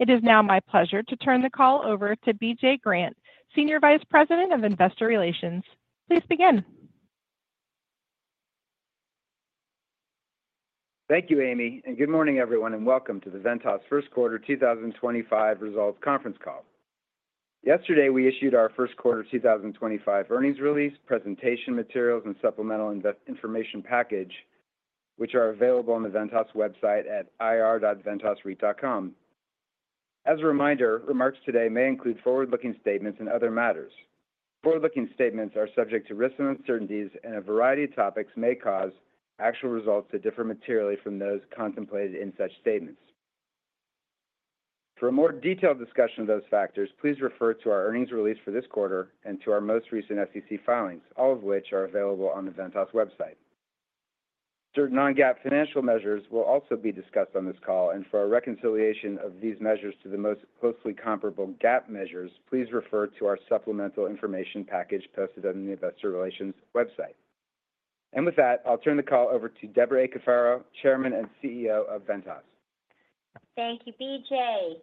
It is now my pleasure to turn the call over to BJ Grant, Senior Vice President of Investor Relations. Please begin. Thank you, Amy. Good morning, everyone, and welcome to the Ventas First Quarter 2025 Results Conference Call. Yesterday, we issued our First Quarter 2025 Earnings Release, Presentation Materials, and Supplemental Information Package, which are available on the Ventas website at ir.ventasreit.com. As a reminder, remarks today may include forward-looking statements and other matters. Forward-looking statements are subject to risks and uncertainties, and a variety of topics may cause actual results to differ materially from those contemplated in such statements. For a more detailed discussion of those factors, please refer to our Earnings Release for this quarter and to our most recent SEC filings, all of which are available on the Ventas website. Certain non-GAAP financial measures will also be discussed on this call, and for a reconciliation of these measures to the most closely comparable GAAP measures, please refer to our Supplemental Information Package posted on the Investor Relations website. With that, I'll turn the call over to Debra A. Cafaro, Chairman and CEO of Ventas. Thank you, BJ.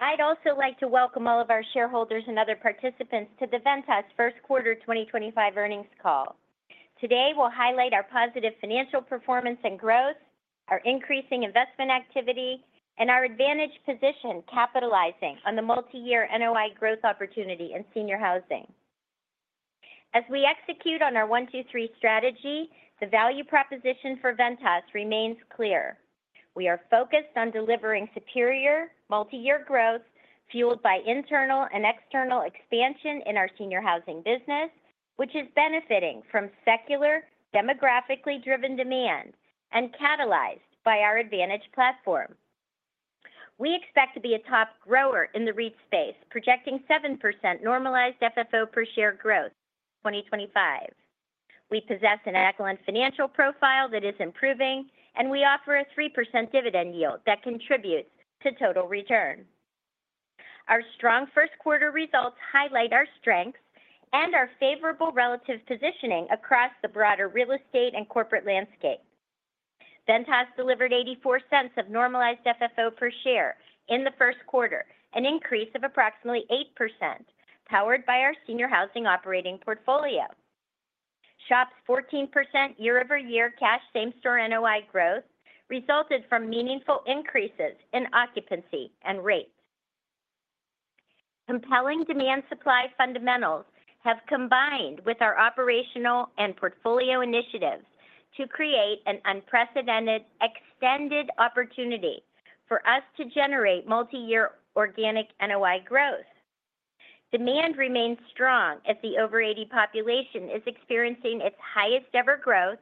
I'd also like to welcome all of our shareholders and other participants to the Ventas First Quarter 2025 Earnings Call. Today, we'll highlight our positive financial performance and growth, our increasing investment activity, and our advantage position capitalizing on the multi-year NOI growth opportunity in senior housing. As we execute on our one, two, three strategy, the value proposition for Ventas remains clear. We are focused on delivering superior multi-year growth fueled by internal and external expansion in our senior housing business, which is benefiting from secular, demographically driven demand and catalyzed by our Advantage platform. We expect to be a top grower in the REIT space, projecting 7% normalized FFO per share growth in 2025. We possess an excellent financial profile that is improving, and we offer a 3% dividend yield that contributes to total return. Our strong first quarter results highlight our strengths and our favorable relative positioning across the broader real estate and corporate landscape. Ventas delivered $0.84 of normalized FFO per share in the first quarter, an increase of approximately 8%, powered by our senior housing operating portfolio. SHOP's 14% year-over-year cash same-store NOI growth resulted from meaningful increases in occupancy and rates. Compelling demand-supply fundamentals have combined with our operational and portfolio initiatives to create an unprecedented extended opportunity for us to generate multi-year organic NOI growth. Demand remains strong as the over-80 population is experiencing its highest-ever growth,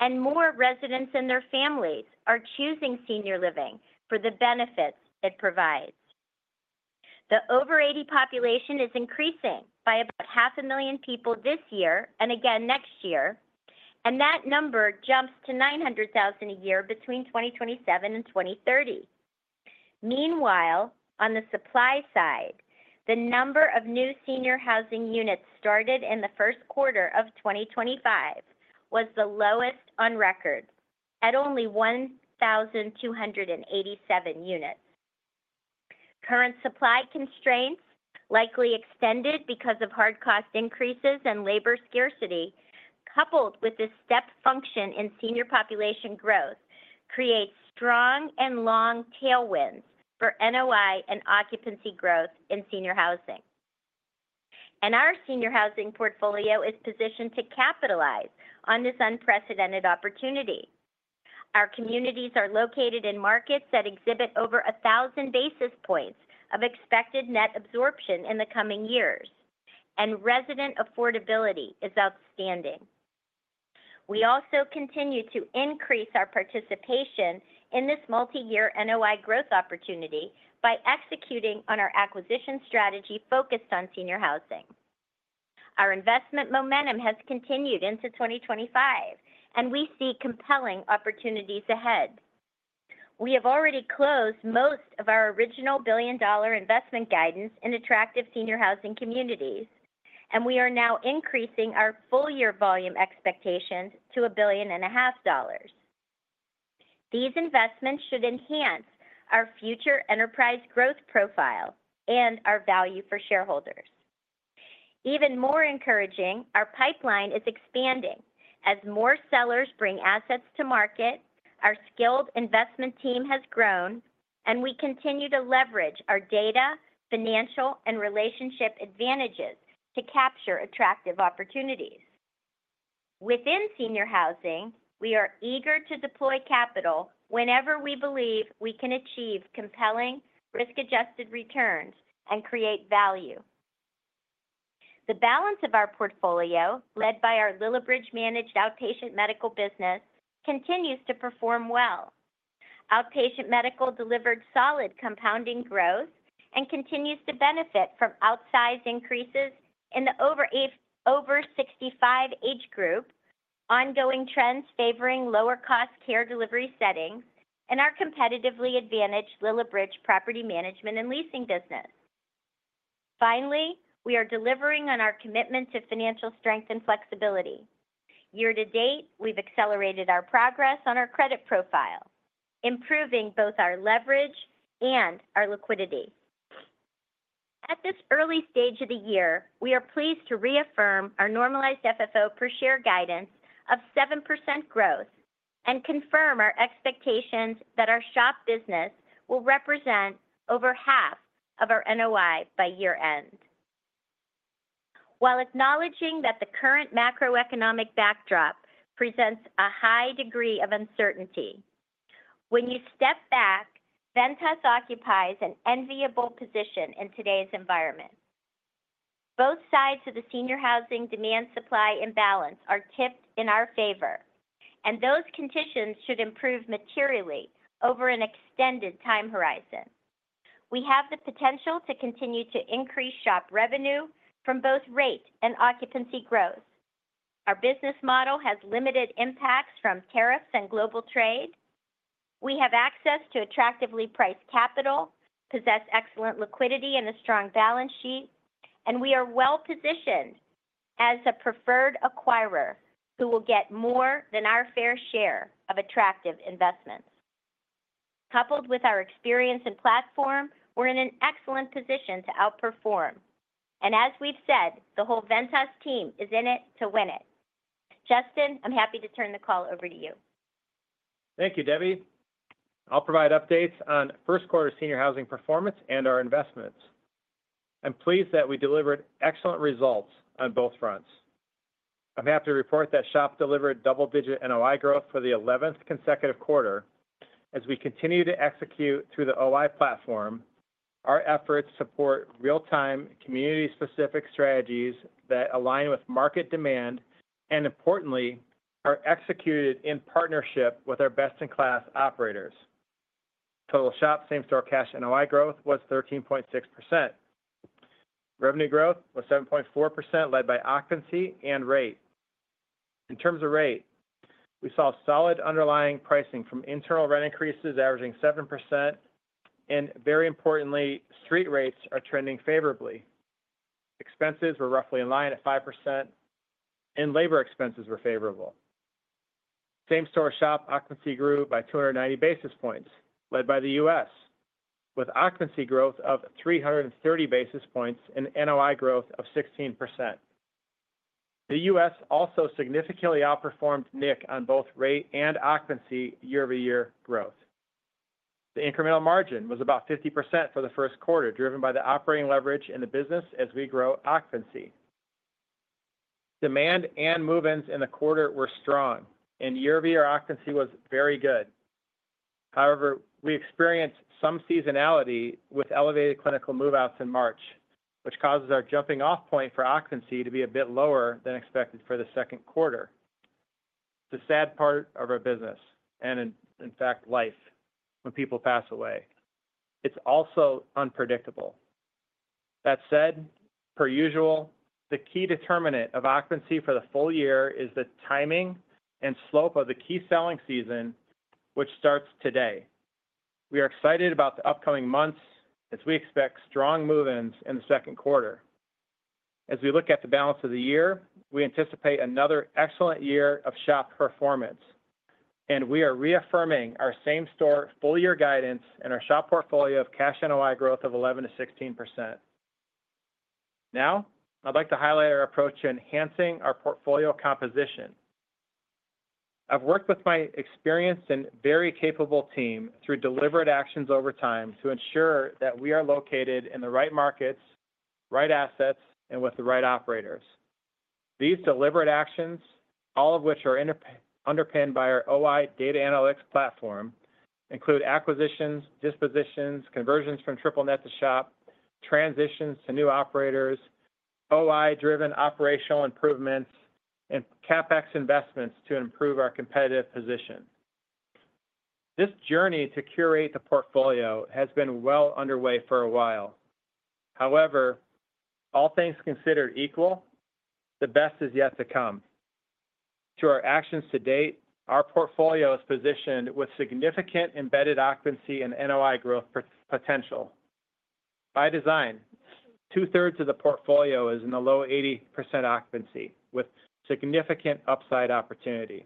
and more residents and their families are choosing senior living for the benefits it provides. The over-80 population is increasing by about 500,000 people this year and again next year, and that number jumps to 900,000 a year between 2027 and 2030. Meanwhile, on the supply side, the number of new senior housing units started in the first quarter of 2025 was the lowest on record at only 1,287 units. Current supply constraints, likely extended because of hard cost increases and labor scarcity, coupled with the step function in senior population growth, create strong and long tailwinds for NOI and occupancy growth in senior housing. Our senior housing portfolio is positioned to capitalize on this unprecedented opportunity. Our communities are located in markets that exhibit over 1,000 basis points of expected net absorption in the coming years, and resident affordability is outstanding. We also continue to increase our participation in this multi-year NOI growth opportunity by executing on our acquisition strategy focused on senior housing. Our investment momentum has continued into 2025, and we see compelling opportunities ahead. We have already closed most of our original $1 billion investment guidance in attractive senior housing communities, and we are now increasing our full-year volume expectations to $1.5 billion. These investments should enhance our future enterprise growth profile and our value for shareholders. Even more encouraging, our pipeline is expanding as more sellers bring assets to market, our skilled investment team has grown, and we continue to leverage our data, financial, and relationship advantages to capture attractive opportunities. Within senior housing, we are eager to deploy capital whenever we believe we can achieve compelling risk-adjusted returns and create value. The balance of our portfolio, led by our Lillibridge-managed outpatient medical business, continues to perform well. Outpatient medical delivered solid compounding growth and continues to benefit from outsize increases in the over-65 age group, ongoing trends favoring lower-cost care delivery settings, and our competitively advantaged Lillibridge property management and leasing business. Finally, we are delivering on our commitment to financial strength and flexibility. Year to date, we've accelerated our progress on our credit profile, improving both our leverage and our liquidity. At this early stage of the year, we are pleased to reaffirm our normalized FFO per share guidance of 7% growth and confirm our expectations that our SHOP business will represent over half of our NOI by year-end. While acknowledging that the current macroeconomic backdrop presents a high degree of uncertainty, when you step back, Ventas occupies an enviable position in today's environment. Both sides of the senior housing demand-supply imbalance are tipped in our favor, and those conditions should improve materially over an extended time horizon. We have the potential to continue to increase SHOP revenue from both rate and occupancy growth. Our business model has limited impacts from tariffs and global trade. We have access to attractively priced capital, possess excellent liquidity and a strong balance sheet, and we are well-positioned as a preferred acquirer who will get more than our fair share of attractive investments. Coupled with our experience and platform, we're in an excellent position to outperform. As we've said, the whole Ventas team is in it to win it. Justin, I'm happy to turn the call over to you. Thank you, Debbie. I'll provide updates on first quarter senior housing performance and our investments. I'm pleased that we delivered excellent results on both fronts. I'm happy to report that SHOP delivered double-digit NOI growth for the 11th consecutive quarter. As we continue to execute through the OI platform, our efforts support real-time community-specific strategies that align with market demand and, importantly, are executed in partnership with our best-in-class operators. Total SHOP same-store cash NOI growth was 13.6%. Revenue growth was 7.4%, led by occupancy and rate. In terms of rate, we saw solid underlying pricing from internal rent increases averaging 7%, and very importantly, street rates are trending favorably. Expenses were roughly in line at 5%, and labor expenses were favorable. Same-store SHOP occupancy grew by 290 basis points, led by the U.S., with occupancy growth of 330 basis points and NOI growth of 16%. The U.S. also significantly outperformed NIC on both rate and occupancy year-over-year growth. The incremental margin was about 50% for the first quarter, driven by the operating leverage in the business as we grow occupancy. Demand and move-ins in the quarter were strong, and year-over-year occupancy was very good. However, we experienced some seasonality with elevated clinical move-outs in March, which causes our jumping-off point for occupancy to be a bit lower than expected for the second quarter. It's a sad part of our business, and in fact, life, when people pass away. It's also unpredictable. That said, per usual, the key determinant of occupancy for the full year is the timing and slope of the key selling season, which starts today. We are excited about the upcoming months as we expect strong move-ins in the second quarter. As we look at the balance of the year, we anticipate another excellent year of SHOP performance, and we are reaffirming our same-store full-year guidance and our SHOP portfolio of cash NOI growth of 11%-16%. Now, I'd like to highlight our approach to enhancing our portfolio composition. I've worked with my experienced and very capable team through deliberate actions over time to ensure that we are located in the right markets, right assets, and with the right operators. These deliberate actions, all of which are underpinned by our OI data analytics platform, include acquisitions, dispositions, conversions from Triple-Net to SHOP, transitions to new operators, OI-driven operational improvements, and CapEx investments to improve our competitive position. This journey to curate the portfolio has been well underway for a while. However, all things considered equal, the best is yet to come. To our actions to date, our portfolio is positioned with significant embedded occupancy and NOI growth potential. By design, two-thirds of the portfolio is in the low 80% occupancy, with significant upside opportunity.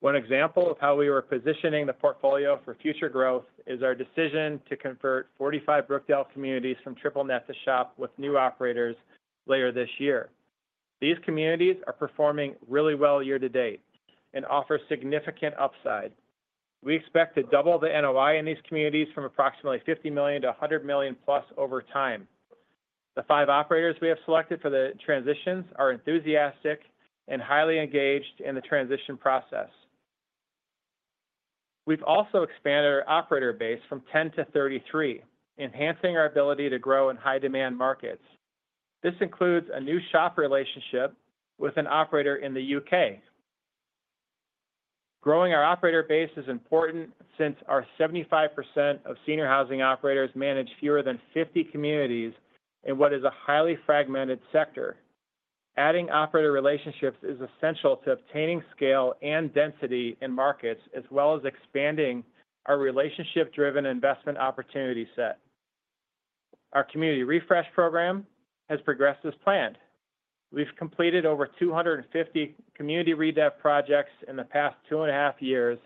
One example of how we were positioning the portfolio for future growth is our decision to convert 45 Brookdale communities from Triple-Net to SHOP with new operators later this year. These communities are performing really well year-to-date and offer significant upside. We expect to double the NOI in these communities from approximately $50 million-$100 million plus over time. The five operators we have selected for the transitions are enthusiastic and highly engaged in the transition process. We've also expanded our operator base from 10 to 33, enhancing our ability to grow in high-demand markets. This includes a new SHOP relationship with an operator in the U.K. Growing our operator base is important since 75% of senior housing operators manage fewer than 50 communities in what is a highly fragmented sector. Adding operator relationships is essential to obtaining scale and density in markets, as well as expanding our relationship-driven investment opportunity set. Our community refresh program has progressed as planned. We've completed over 250 community redev projects in the past two and a half years.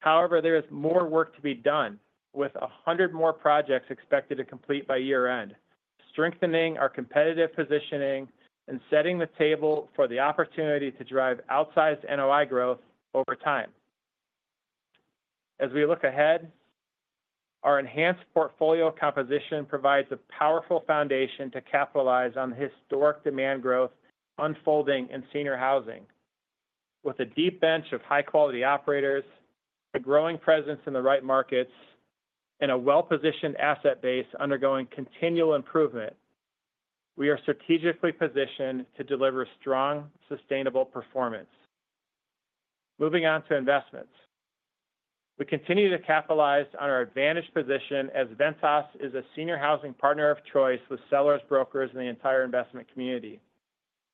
However, there is more work to be done, with 100 more projects expected to complete by year-end, strengthening our competitive positioning and setting the table for the opportunity to drive outsized NOI growth over time. As we look ahead, our enhanced portfolio composition provides a powerful foundation to capitalize on the historic demand growth unfolding in senior housing. With a deep bench of high-quality operators, a growing presence in the right markets, and a well-positioned asset base undergoing continual improvement, we are strategically positioned to deliver strong, sustainable performance. Moving on to investments, we continue to capitalize on our advantage position as Ventas is a senior housing partner of choice with sellers, brokers, and the entire investment community.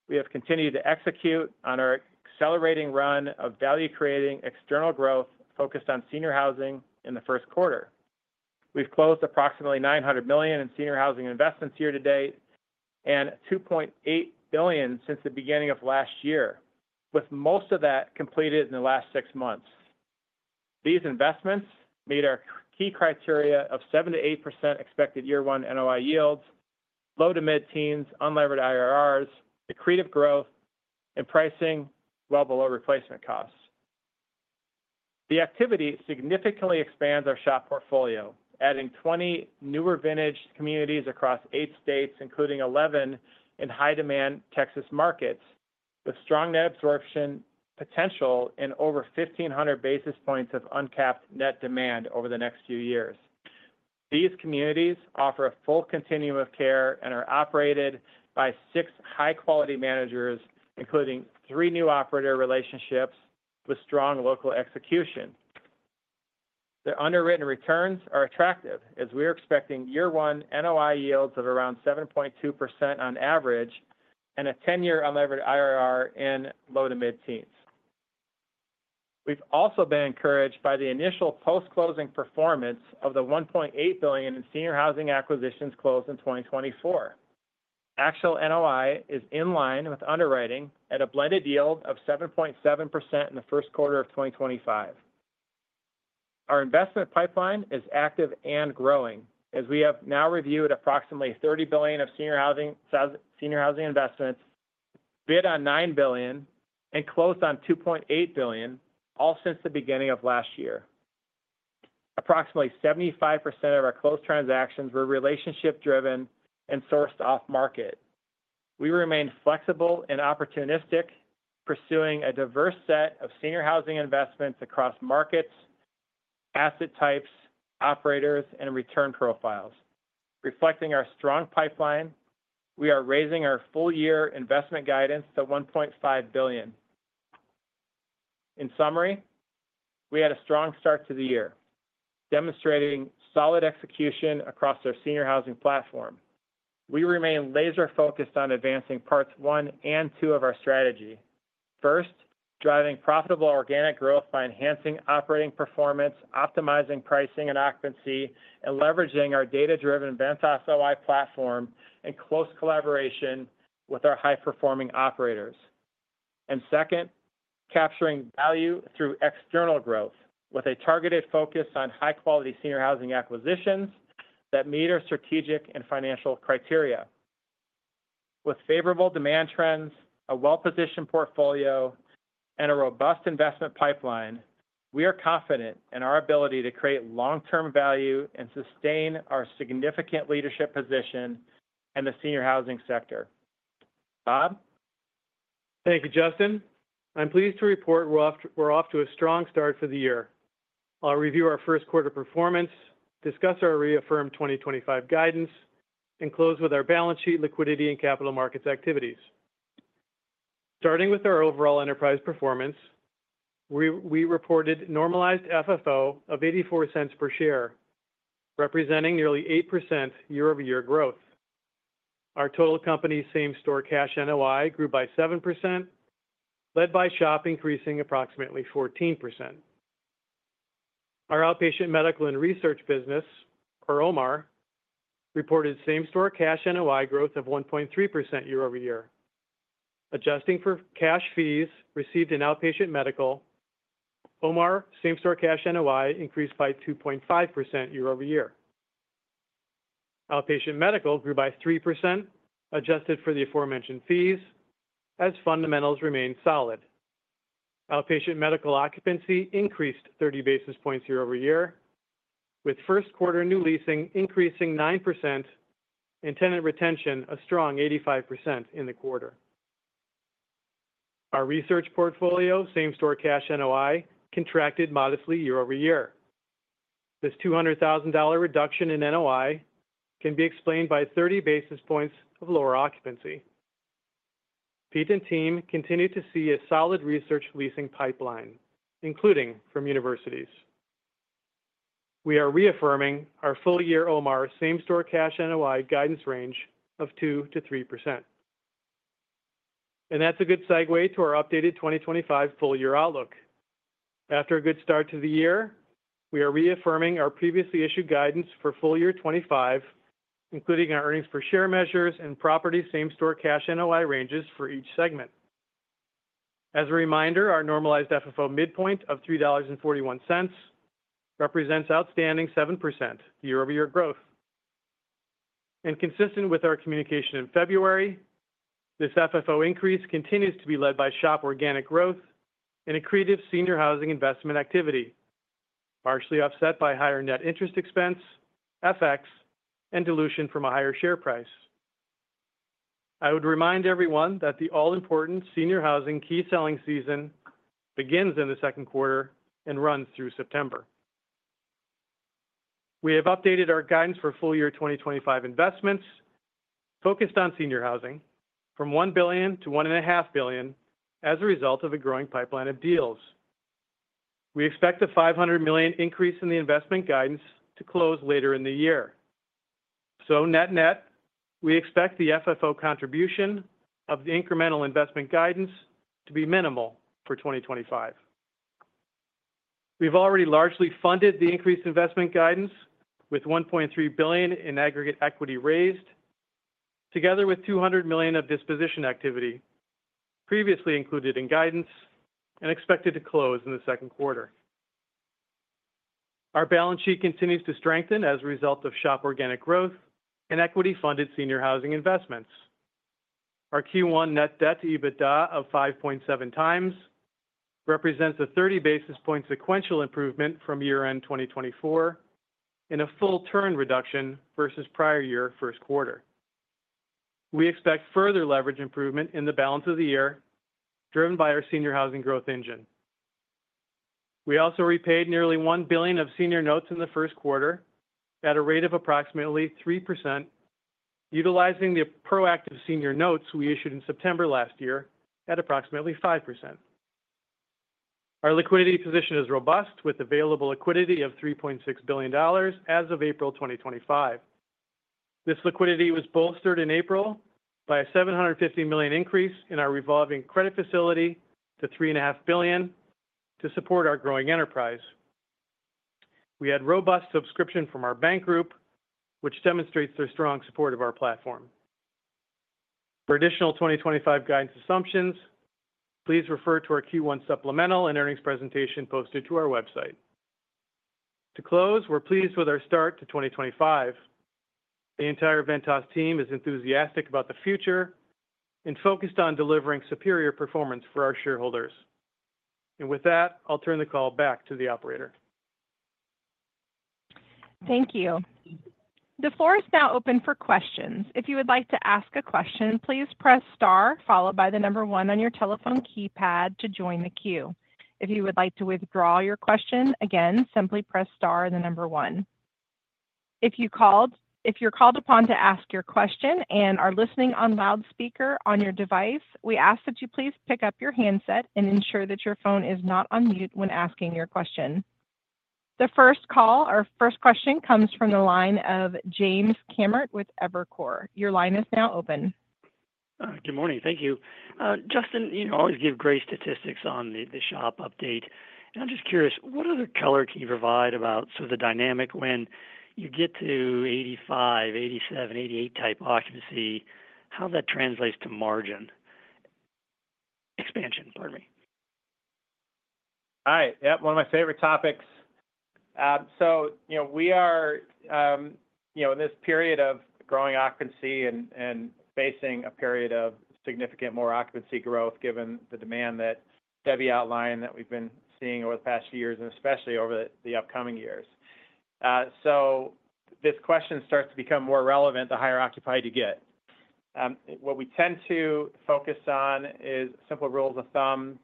We have continued to execute on our accelerating run of value-creating external growth focused on senior housing in the first quarter. We've closed approximately $900 million in senior housing investments year-to-date and $2.8 billion since the beginning of last year, with most of that completed in the last six months. These investments meet our key criteria of 7%-8% expected year-one NOI yields, low to mid-teens unlevered IRRs, accretive growth, and pricing well below replacement costs. The activity significantly expands our SHOP portfolio, adding 20 newer vintage communities across eight states, including 11 in high-demand Texas markets, with strong net absorption potential and over 1,500 basis points of uncapped net demand over the next few years. These communities offer a full continuum of care and are operated by six high-quality managers, including three new operator relationships with strong local execution. The underwritten returns are attractive as we are expecting year-one NOI yields of around 7.2% on average and a 10-year unlevered IRR in low to mid-teens. We've also been encouraged by the initial post-closing performance of the $1.8 billion in senior housing acquisitions closed in 2024. Actual NOI is in line with underwriting at a blended yield of 7.7% in the first quarter of 2025. Our investment pipeline is active and growing as we have now reviewed approximately $30 billion of senior housing investments, bid on $9 billion, and closed on $2.8 billion, all since the beginning of last year. Approximately 75% of our closed transactions were relationship-driven and sourced off-market. We remain flexible and opportunistic, pursuing a diverse set of senior housing investments across markets, asset types, operators, and return profiles. Reflecting our strong pipeline, we are raising our full-year investment guidance to $1.5 billion. In summary, we had a strong start to the year, demonstrating solid execution across our senior housing platform. We remain laser-focused on advancing parts one and two of our strategy. First, driving profitable organic growth by enhancing operating performance, optimizing pricing and occupancy, and leveraging our data-driven Ventas OI platform in close collaboration with our high-performing operators. Second, capturing value through external growth with a targeted focus on high-quality senior housing acquisitions that meet our strategic and financial criteria. With favorable demand trends, a well-positioned portfolio, and a robust investment pipeline, we are confident in our ability to create long-term value and sustain our significant leadership position in the senior housing sector. Bob? Thank you, Justin. I'm pleased to report we're off to a strong start for the year. I'll review our first quarter performance, discuss our reaffirmed 2025 guidance, and close with our balance sheet, liquidity, and capital markets activities. Starting with our overall enterprise performance, we reported normalized FFO of $0.84 per share, representing nearly 8% year-over-year growth. Our total company same-store cash NOI grew by 7%, led by SHOP increasing approximately 14%. Our outpatient medical and research business, or OMR, reported same-store cash NOI growth of 1.3% year-over-year. Adjusting for cash fees received in outpatient medical, OMR same-store cash NOI increased by 2.5% year-over-year. Outpatient medical grew by 3%, adjusted for the aforementioned fees, as fundamentals remained solid. Outpatient medical occupancy increased 30 basis points year-over-year, with first quarter new leasing increasing 9% and tenant retention a strong 85% in the quarter. Our research portfolio, same-store cash NOI, contracted modestly year-over-year. This $200,000 reduction in NOI can be explained by 30 basis points of lower occupancy. Pete and team continue to see a solid research leasing pipeline, including from universities. We are reaffirming our full-year OMR same-store cash NOI guidance range of 2%-3%. That is a good segue to our updated 2025 full-year outlook. After a good start to the year, we are reaffirming our previously issued guidance for full-year 2025, including our earnings per share measures and property same-store cash NOI ranges for each segment. As a reminder, our normalized FFO midpoint of $3.41 represents outstanding 7% year-over-year growth. Consistent with our communication in February, this FFO increase continues to be led by SHOP organic growth and accretive senior housing investment activity, partially offset by higher net interest expense, FX, and dilution from a higher share price. I would remind everyone that the all-important senior housing key selling season begins in the second quarter and runs through September. We have updated our guidance for full-year 2025 investments focused on senior housing from $1 billion-$1.5 billion as a result of a growing pipeline of deals. We expect a $500 million increase in the investment guidance to close later in the year. Net-net, we expect the FFO contribution of the incremental investment guidance to be minimal for 2025. We've already largely funded the increased investment guidance with $1.3 billion in aggregate equity raised, together with $200 million of disposition activity previously included in guidance and expected to close in the second quarter. Our balance sheet continues to strengthen as a result of SHOP organic growth and equity-funded senior housing investments. Our Q1 net debt to EBITDA of 5.7 times represents a 30 basis point sequential improvement from year-end 2024 and a full-turn reduction versus prior year first quarter. We expect further leverage improvement in the balance of the year driven by our senior housing growth engine. We also repaid nearly $1 billion of senior notes in the first quarter at a rate of approximately 3%, utilizing the proactive senior notes we issued in September last year at approximately 5%. Our liquidity position is robust with available liquidity of $3.6 billion as of April 2025. This liquidity was bolstered in April by a $750 million increase in our revolving credit facility to $3.5 billion to support our growing enterprise. We had robust subscription from our bank group, which demonstrates their strong support of our platform. For additional 2025 guidance assumptions, please refer to our Q1 supplemental and earnings presentation posted to our website. To close, we are pleased with our start to 2025. The entire Ventas team is enthusiastic about the future and focused on delivering superior performance for our shareholders. With that, I will turn the call back to the operator. Thank you. The floor is now open for questions. If you would like to ask a question, please press star followed by the number one on your telephone keypad to join the queue. If you would like to withdraw your question, again, simply press star and the number one. If you're called upon to ask your question and are listening on loudspeaker on your device, we ask that you please pick up your handset and ensure that your phone is not on mute when asking your question. The first call, our first question, comes from the line of James Kammert with Evercore. Your line is now open. Good morning. Thank you. Justin, you always give great statistics on the SHOP update. I'm just curious, what other color can you provide about sort of the dynamic when you get to 85%, 87%, 88% type occupancy, how that translates to margin expansion? Pardon me. Hi. Yep, one of my favorite topics. We are in this period of growing occupancy and facing a period of significant more occupancy growth given the demand that Debbie outlined that we've been seeing over the past few years, and especially over the upcoming years. This question starts to become more relevant the higher occupied you get. What we tend to focus on is simple rules of thumb.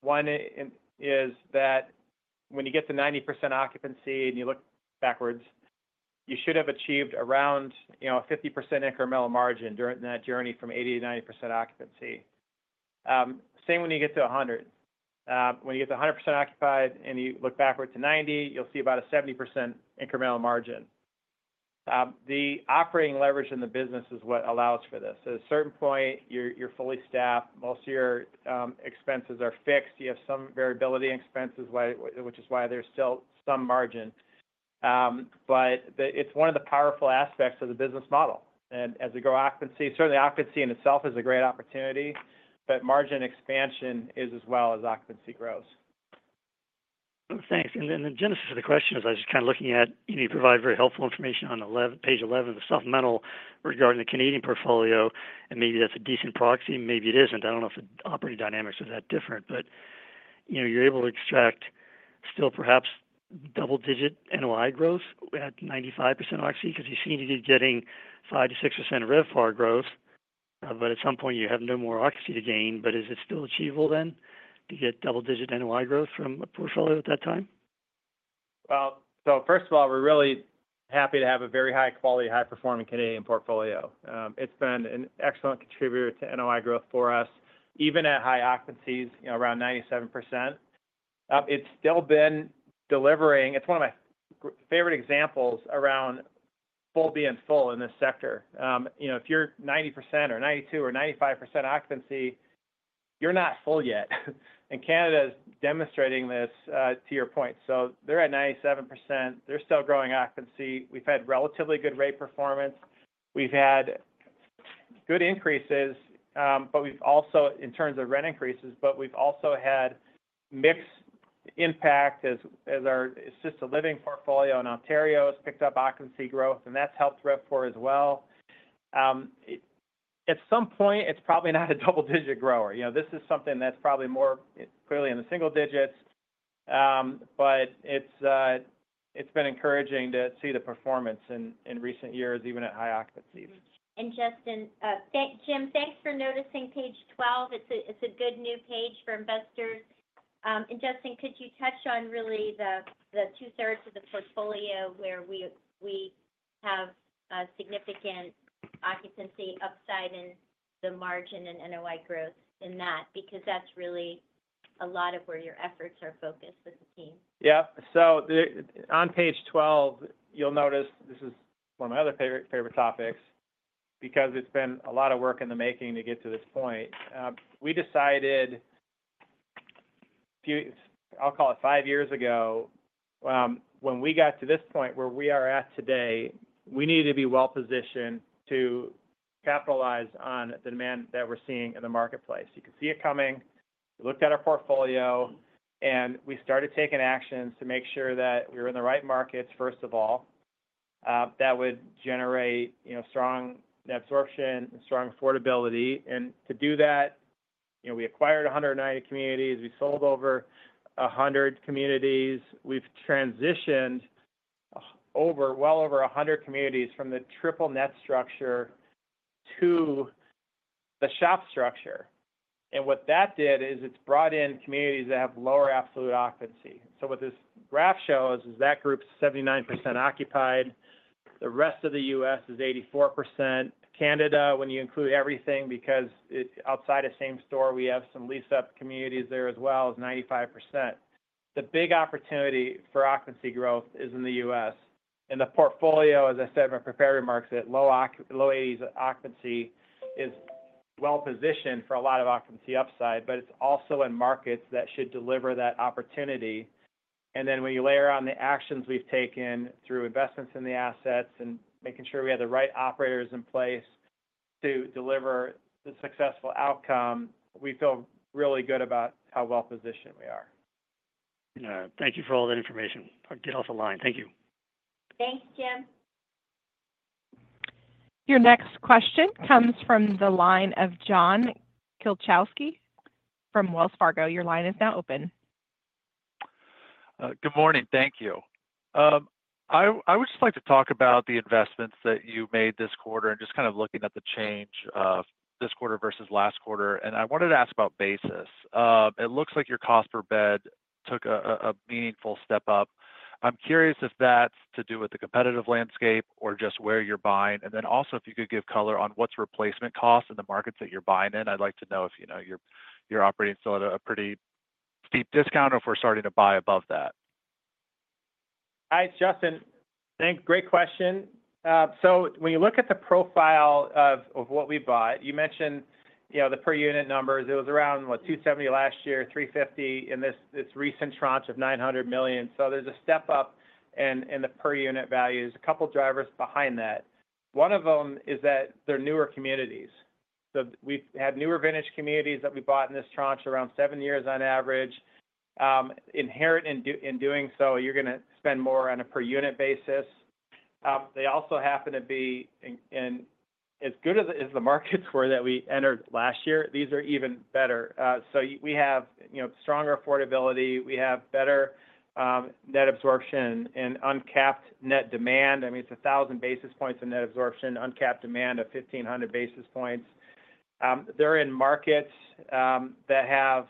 One is that when you get to 90% occupancy and you look backwards, you should have achieved around a 50% incremental margin during that journey from 80%-90% occupancy. Same when you get to 100%. When you get to 100% occupied and you look backward to 90, you'll see about a 70% incremental margin. The operating leverage in the business is what allows for this. At a certain point, you're fully staffed. Most of your expenses are fixed. You have some variability in expenses, which is why there's still some margin. It is one of the powerful aspects of the business model. As we grow occupancy, certainly occupancy in itself is a great opportunity, but margin expansion is as well as occupancy grows. Thanks. The genesis of the question is I was just kind of looking at, you provide very helpful information on page 11, the supplemental regarding the Canadian portfolio, and maybe that's a decent proxy. Maybe it isn't. I don't know if the operating dynamics are that different, but you're able to extract still perhaps double-digit NOI growth at 95% occupancy because you seem to be getting 5%-6% RevPAR growth. At some point you have no more occupancy to gain. Is it still achievable then to get double-digit NOI growth from a portfolio at that time? First of all, we're really happy to have a very high-quality, high-performing Canadian portfolio. It's been an excellent contributor to NOI growth for us, even at high occupancies, around 97%. It's still been delivering. It's one of my favorite examples around being full in this sector. If you're 90% or 92% or 95% occupancy, you're not full yet. Canada is demonstrating this to your point. They're at 97%. They're still growing occupancy. We've had relatively good rate performance. We've had good increases, in terms of rent increases, but we've also had mixed impact as our assisted living portfolio in Ontario has picked up occupancy growth, and that's helped RevPAR as well. At some point, it's probably not a double-digit grower. This is something that's probably more clearly in the single digits, but it's been encouraging to see the performance in recent years, even at high occupancies. Justin, Jim, thanks for noticing page 12. It's a good new page for investors. Justin, could you touch on really the two-thirds of the portfolio where we have significant occupancy upside in the margin and NOI growth in that because that's really a lot of where your efforts are focused with the team? Yep. On page 12, you'll notice this is one of my other favorite topics because it's been a lot of work in the making to get to this point. We decided, I'll call it five years ago, when we got to this point where we are at today, we needed to be well-positioned to capitalize on the demand that we're seeing in the marketplace. You could see it coming. We looked at our portfolio, and we started taking actions to make sure that we were in the right markets, first of all, that would generate strong absorption and strong affordability. To do that, we acquired 190 communities. We sold over 100 communities. We've transitioned well over 100 communities from the triple net structure to the SHOP structure. What that did is it's brought in communities that have lower absolute occupancy. What this graph shows is that group's 79% occupied. The rest of the U.S. is 84%. Canada, when you include everything because outside of same-store, we have some lease-up communities there as well, is 95%. The big opportunity for occupancy growth is in the U.S. The portfolio, as I said in my prepared remarks, at low 80s occupancy is well-positioned for a lot of occupancy upside, but it is also in markets that should deliver that opportunity. When you layer on the actions we have taken through investments in the assets and making sure we have the right operators in place to deliver the successful outcome, we feel really good about how well-positioned we are. Thank you for all that information. I'll get off the line. Thank you. Thanks, Jim. Your next question comes from the line of John Kilichowski from Wells Fargo. Your line is now open. Good morning. Thank you. I would just like to talk about the investments that you made this quarter and just kind of looking at the change this quarter versus last quarter. I wanted to ask about basis. It looks like your cost per bed took a meaningful step up. I'm curious if that's to do with the competitive landscape or just where you're buying. If you could give color on what's replacement cost in the markets that you're buying in. I'd like to know if you're operating still at a pretty steep discount or if we're starting to buy above that. Hi, Justin. Thanks. Great question. When you look at the profile of what we bought, you mentioned the per unit numbers. It was around $270,000 last year, $350,000 in this recent tranche of $900 million. There is a step up in the per unit values. A couple of drivers behind that. One of them is that they are newer communities. We have newer vintage communities that we bought in this tranche, around seven years on average. Inherent in doing so, you are going to spend more on a per unit basis. They also happen to be as good as the markets we entered last year. These are even better. We have stronger affordability. We have better net absorption and uncapped net demand. I mean, it is 1,000 basis points of net absorption, uncapped demand of 1,500 basis points. They're in markets that have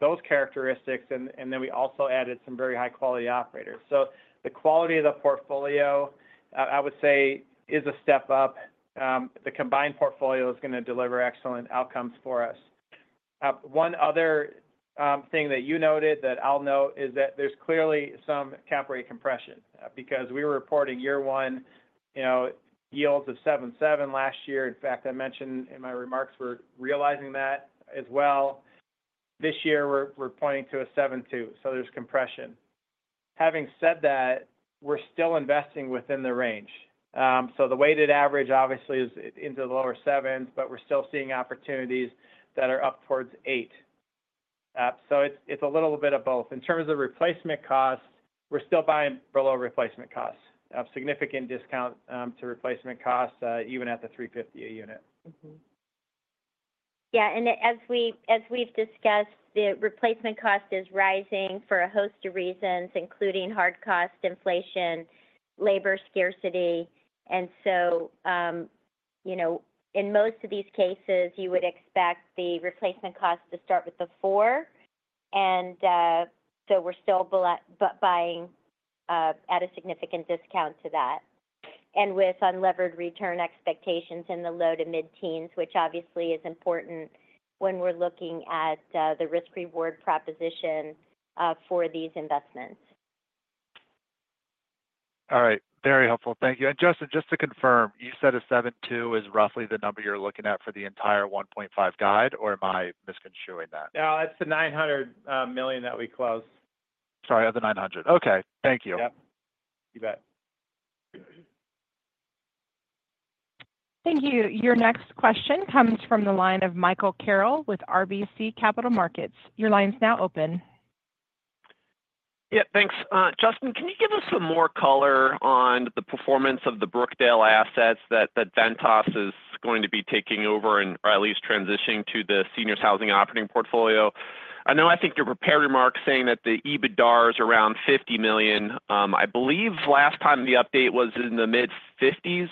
those characteristics, and then we also added some very high-quality operators. So the quality of the portfolio, I would say, is a step up. The combined portfolio is going to deliver excellent outcomes for us. One other thing that you noted that I'll note is that there's clearly some cap rate compression because we were reporting year-one yields of 7.7 last year. In fact, I mentioned in my remarks we're realizing that as well. This year, we're pointing to a 7.2. So there's compression. Having said that, we're still investing within the range. So the weighted average, obviously, is into the lower sevens, but we're still seeing opportunities that are up towards eight. So it's a little bit of both. In terms of replacement cost, we're still buying below replacement cost. Significant discount to replacement cost even at the $350 a unit. Yeah. As we've discussed, the replacement cost is rising for a host of reasons, including hard cost, inflation, labor scarcity. In most of these cases, you would expect the replacement cost to start with the four. We are still buying at a significant discount to that and with unlevered return expectations in the low to mid-teens, which obviously is important when we're looking at the risk-reward proposition for these investments. All right. Very helpful. Thank you. Justin, just to confirm, you said a 7.2 is roughly the number you're looking at for the entire 1.5 guide, or am I misconstruing that? No, it's the $900 million that we close. Sorry, the 900. Okay. Thank you. Yep. You bet. Thank you. Your next question comes from the line of Michael Carroll with RBC Capital Markets. Your line's now open. Yeah. Thanks. Justin, can you give us some more color on the performance of the Brookdale assets that Ventas is going to be taking over and, or at least transitioning to the seniors' housing operating portfolio? I know I think your prepared remarks saying that the EBITDA is around $50 million. I believe last time the update was in the mid-50s.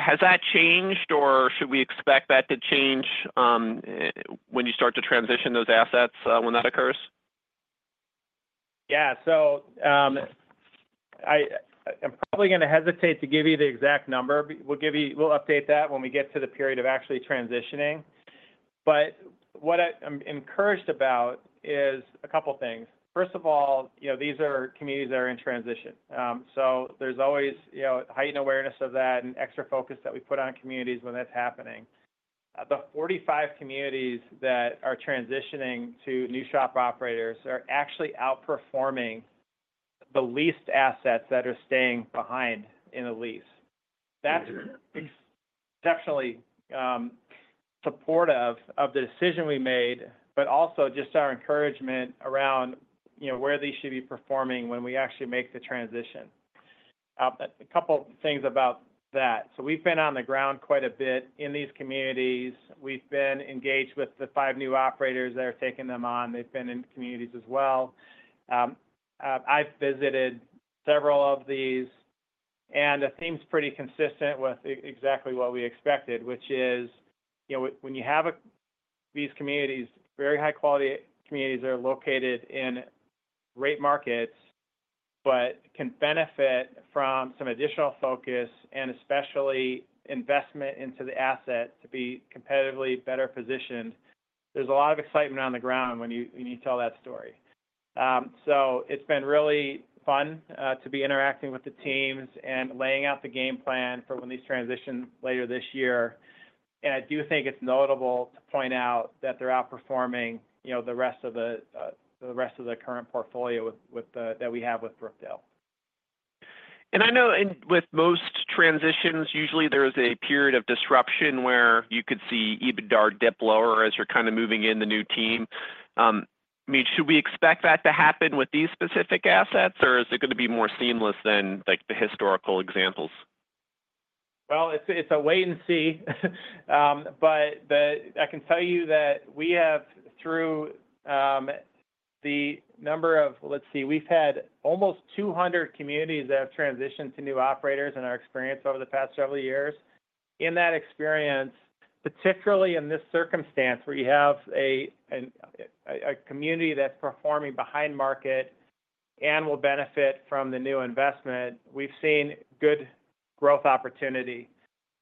Has that changed, or should we expect that to change when you start to transition those assets when that occurs? Yeah. I'm probably going to hesitate to give you the exact number. We'll update that when we get to the period of actually transitioning. What I'm encouraged about is a couple of things. First of all, these are communities that are in transition. There's always heightened awareness of that and extra focus that we put on communities when that's happening. The 45 communities that are transitioning to new SHOP operators are actually outperforming the leased assets that are staying behind in a lease. That's exceptionally supportive of the decision we made, but also just our encouragement around where they should be performing when we actually make the transition. A couple of things about that. We've been on the ground quite a bit in these communities. We've been engaged with the five new operators that are taking them on. They've been in communities as well. I've visited several of these, and the theme's pretty consistent with exactly what we expected, which is when you have these communities, very high-quality communities that are located in great markets, but can benefit from some additional focus and especially investment into the asset to be competitively better positioned. There's a lot of excitement on the ground when you tell that story. It's been really fun to be interacting with the teams and laying out the game plan for when these transition later this year. I do think it's notable to point out that they're outperforming the rest of the current portfolio that we have with Brookdale. I know with most transitions, usually there is a period of disruption where you could see EBITDA dip lower as you're kind of moving in the new team. I mean, should we expect that to happen with these specific assets, or is it going to be more seamless than the historical examples? It is a wait and see. I can tell you that we have, through the number of, let's see, we have had almost 200 communities that have transitioned to new operators in our experience over the past several years. In that experience, particularly in this circumstance where you have a community that is performing behind market and will benefit from the new investment, we have seen good growth opportunity.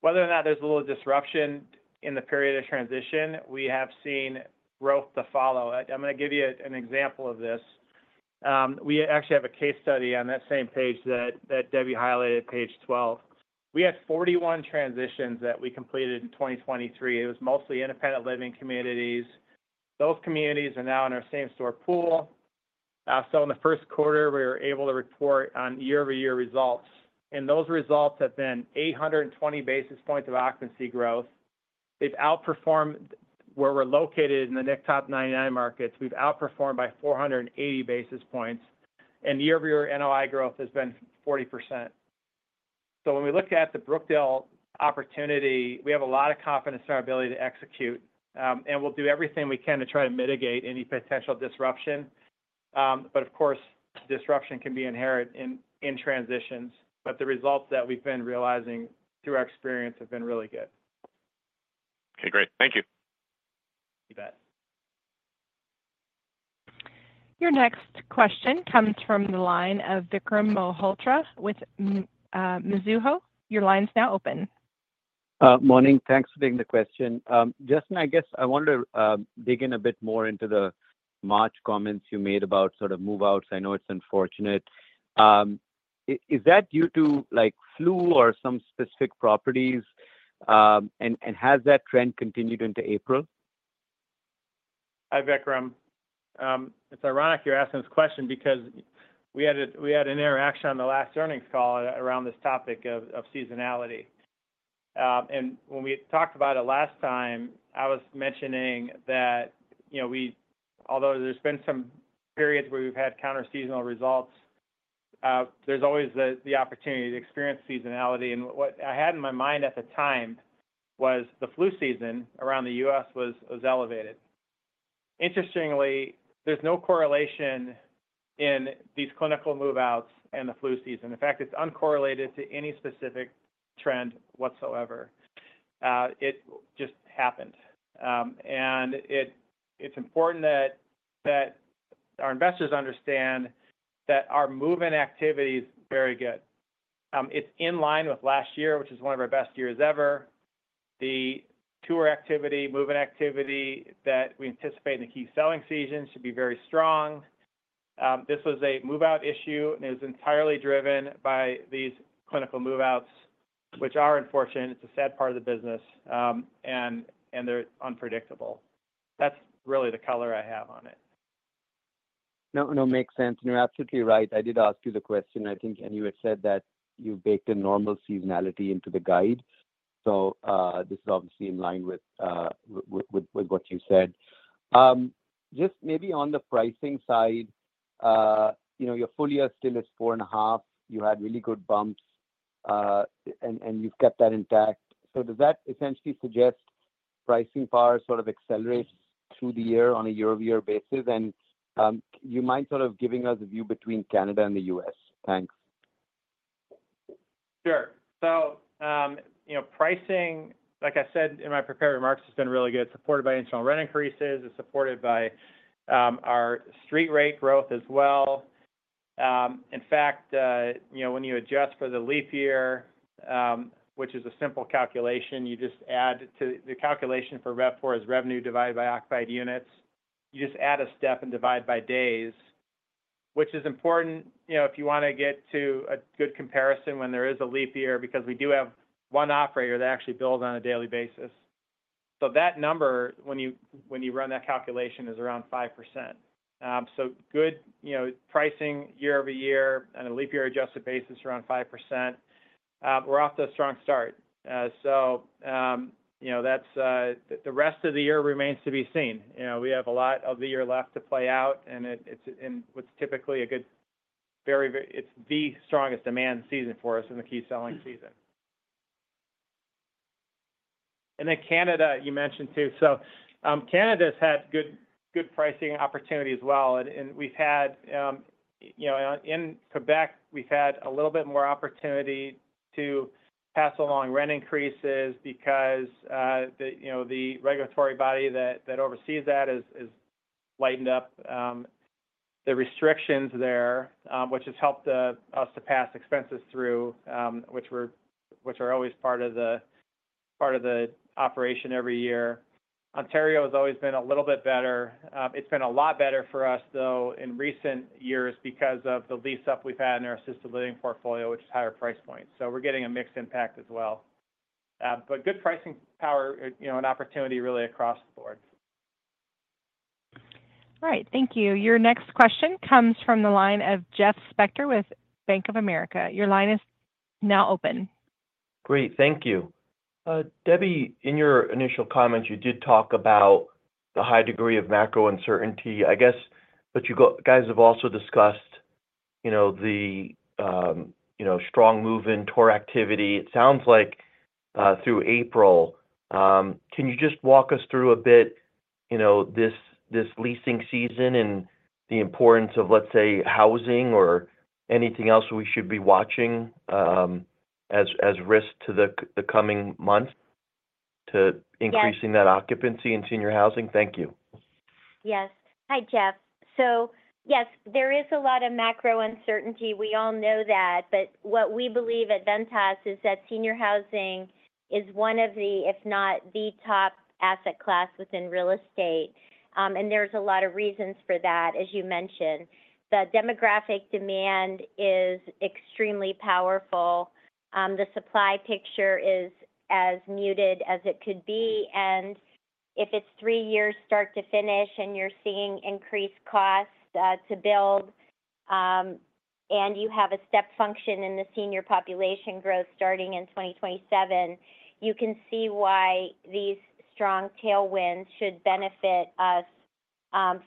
Whether or not there is a little disruption in the period of transition, we have seen growth to follow it. I am going to give you an example of this. We actually have a case study on that same page that Debbie highlighted at page 12. We had 41 transitions that we completed in 2023. It was mostly independent living communities. Those communities are now in our same-store pool. In the first quarter, we were able to report on year-over-year results. Those results have been 820 basis points of occupancy growth. They have outperformed where we are located in the NIC top 99 markets. We have outperformed by 480 basis points. Year-over-year NOI growth has been 40%. When we look at the Brookdale opportunity, we have a lot of confidence in our ability to execute. We will do everything we can to try to mitigate any potential disruption. Of course, disruption can be inherent in transitions. The results that we have been realizing through our experience have been really good. Okay. Great. Thank you. You bet. Your next question comes from the line of Vikram Malhotra with Mizuho. Your line's now open. Morning. Thanks for taking the question. Justin, I guess I wanted to dig in a bit more into the March comments you made about sort of move-outs. I know it's unfortunate. Is that due to flu or some specific properties? Has that trend continued into April? Hi, Vikram. It's ironic you're asking this question because we had an interaction on the last earnings call around this topic of seasonality. When we talked about it last time, I was mentioning that although there's been some periods where we've had counter-seasonal results, there's always the opportunity to experience seasonality. What I had in my mind at the time was the flu season around the U.S. was elevated. Interestingly, there's no correlation in these clinical move-outs and the flu season. In fact, it's uncorrelated to any specific trend whatsoever. It just happened. It's important that our investors understand that our movement activity is very good. It's in line with last year, which is one of our best years ever. The tour activity, movement activity that we anticipate in the key selling season should be very strong. This was a move-out issue, and it was entirely driven by these clinical move-outs, which are unfortunate. It's a sad part of the business, and they're unpredictable. That's really the color I have on it. No, no, makes sense. You are absolutely right. I did ask you the question, I think, and you had said that you baked in normal seasonality into the guide. This is obviously in line with what you said. Just maybe on the pricing side, your full year still is 4.5%. You had really good bumps, and you have kept that intact. Does that essentially suggest pricing power sort of accelerates through the year on a year-over-year basis? Do you mind sort of giving us a view between Canada and the U.S.? Thanks. Sure. Pricing, like I said in my prepared remarks, has been really good. Supported by internal rent increases. It is supported by our street rate growth as well. In fact, when you adjust for the leap year, which is a simple calculation, you just add to the calculation for RevPAR is revenue divided by occupied units. You just add a step and divide by days, which is important if you want to get to a good comparison when there is a leap year because we do have one operator that actually bills on a daily basis. That number, when you run that calculation, is around 5%. Good pricing year-over-year on a leap year adjusted basis is around 5%. We are off to a strong start. The rest of the year remains to be seen. We have a lot of the year left to play out, and it's in what's typically a good, very, it's the strongest demand season for us in the key selling season. You mentioned Canada too. Canada's had good pricing opportunity as well. In Quebec, we've had a little bit more opportunity to pass along rent increases because the regulatory body that oversees that has lightened up the restrictions there, which has helped us to pass expenses through, which are always part of the operation every year. Ontario has always been a little bit better. It's been a lot better for us, though, in recent years because of the lease-up we've had in our assisted living portfolio, which is higher price points. We're getting a mixed impact as well. Good pricing power and opportunity really across the board. All right. Thank you. Your next question comes from the line of Jeff Spector with Bank of America. Your line is now open. Great. Thank you. Debbie, in your initial comments, you did talk about the high degree of macro uncertainty, I guess, but you guys have also discussed the strong move-in tour activity. It sounds like through April. Can you just walk us through a bit this leasing season and the importance of, let's say, housing or anything else we should be watching as risk to the coming months to increasing that occupancy in senior housing? Thank you. Yes. Hi, Jeff. Yes, there is a lot of macro uncertainty. We all know that. What we believe at Ventas is that senior housing is one of the, if not the top asset class within real estate. There is a lot of reasons for that, as you mentioned. The demographic demand is extremely powerful. The supply picture is as muted as it could be. If it is three years start to finish and you are seeing increased costs to build and you have a step function in the senior population growth starting in 2027, you can see why these strong tailwinds should benefit us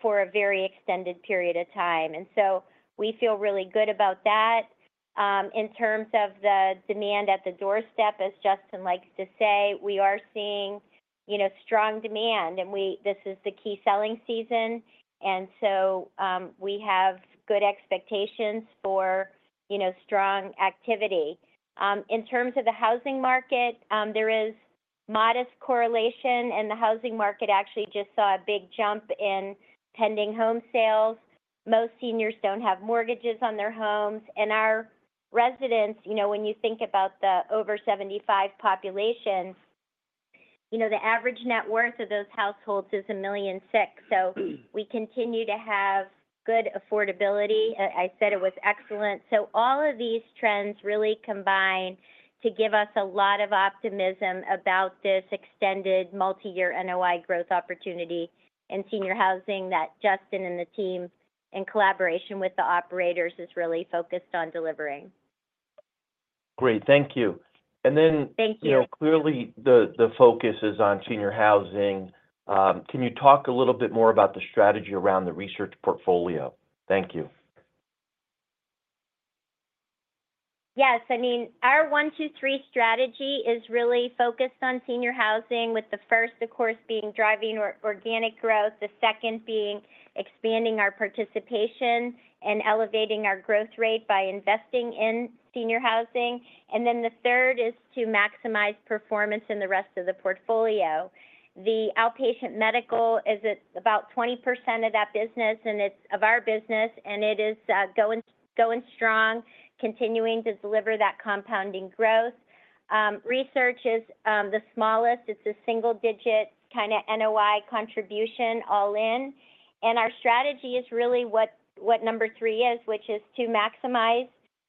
for a very extended period of time. We feel really good about that. In terms of the demand at the doorstep, as Justin likes to say, we are seeing strong demand. This is the key selling season. We have good expectations for strong activity. In terms of the housing market, there is modest correlation. The housing market actually just saw a big jump in pending home sales. Most seniors do not have mortgages on their homes. Our residents, when you think about the over-75 population, the average net worth of those households is $1.6 million. We continue to have good affordability. I said it was excellent. All of these trends really combine to give us a lot of optimism about this extended multi-year NOI growth opportunity in senior housing that Justin and the team in collaboration with the operators is really focused on delivering. Great. Thank you. Then. Thank you. Clearly, the focus is on senior housing. Can you talk a little bit more about the strategy around the research portfolio? Thank you. Yes. I mean, our one, two, three strategy is really focused on senior housing, with the first, of course, being driving organic growth, the second being expanding our participation and elevating our growth rate by investing in senior housing. The third is to maximize performance in the rest of the portfolio. The outpatient medical is about 20% of that business and of our business, and it is going strong, continuing to deliver that compounding growth. Research is the smallest. It is a single-digit kind of NOI contribution all in. Our strategy is really what number three is, which is to maximize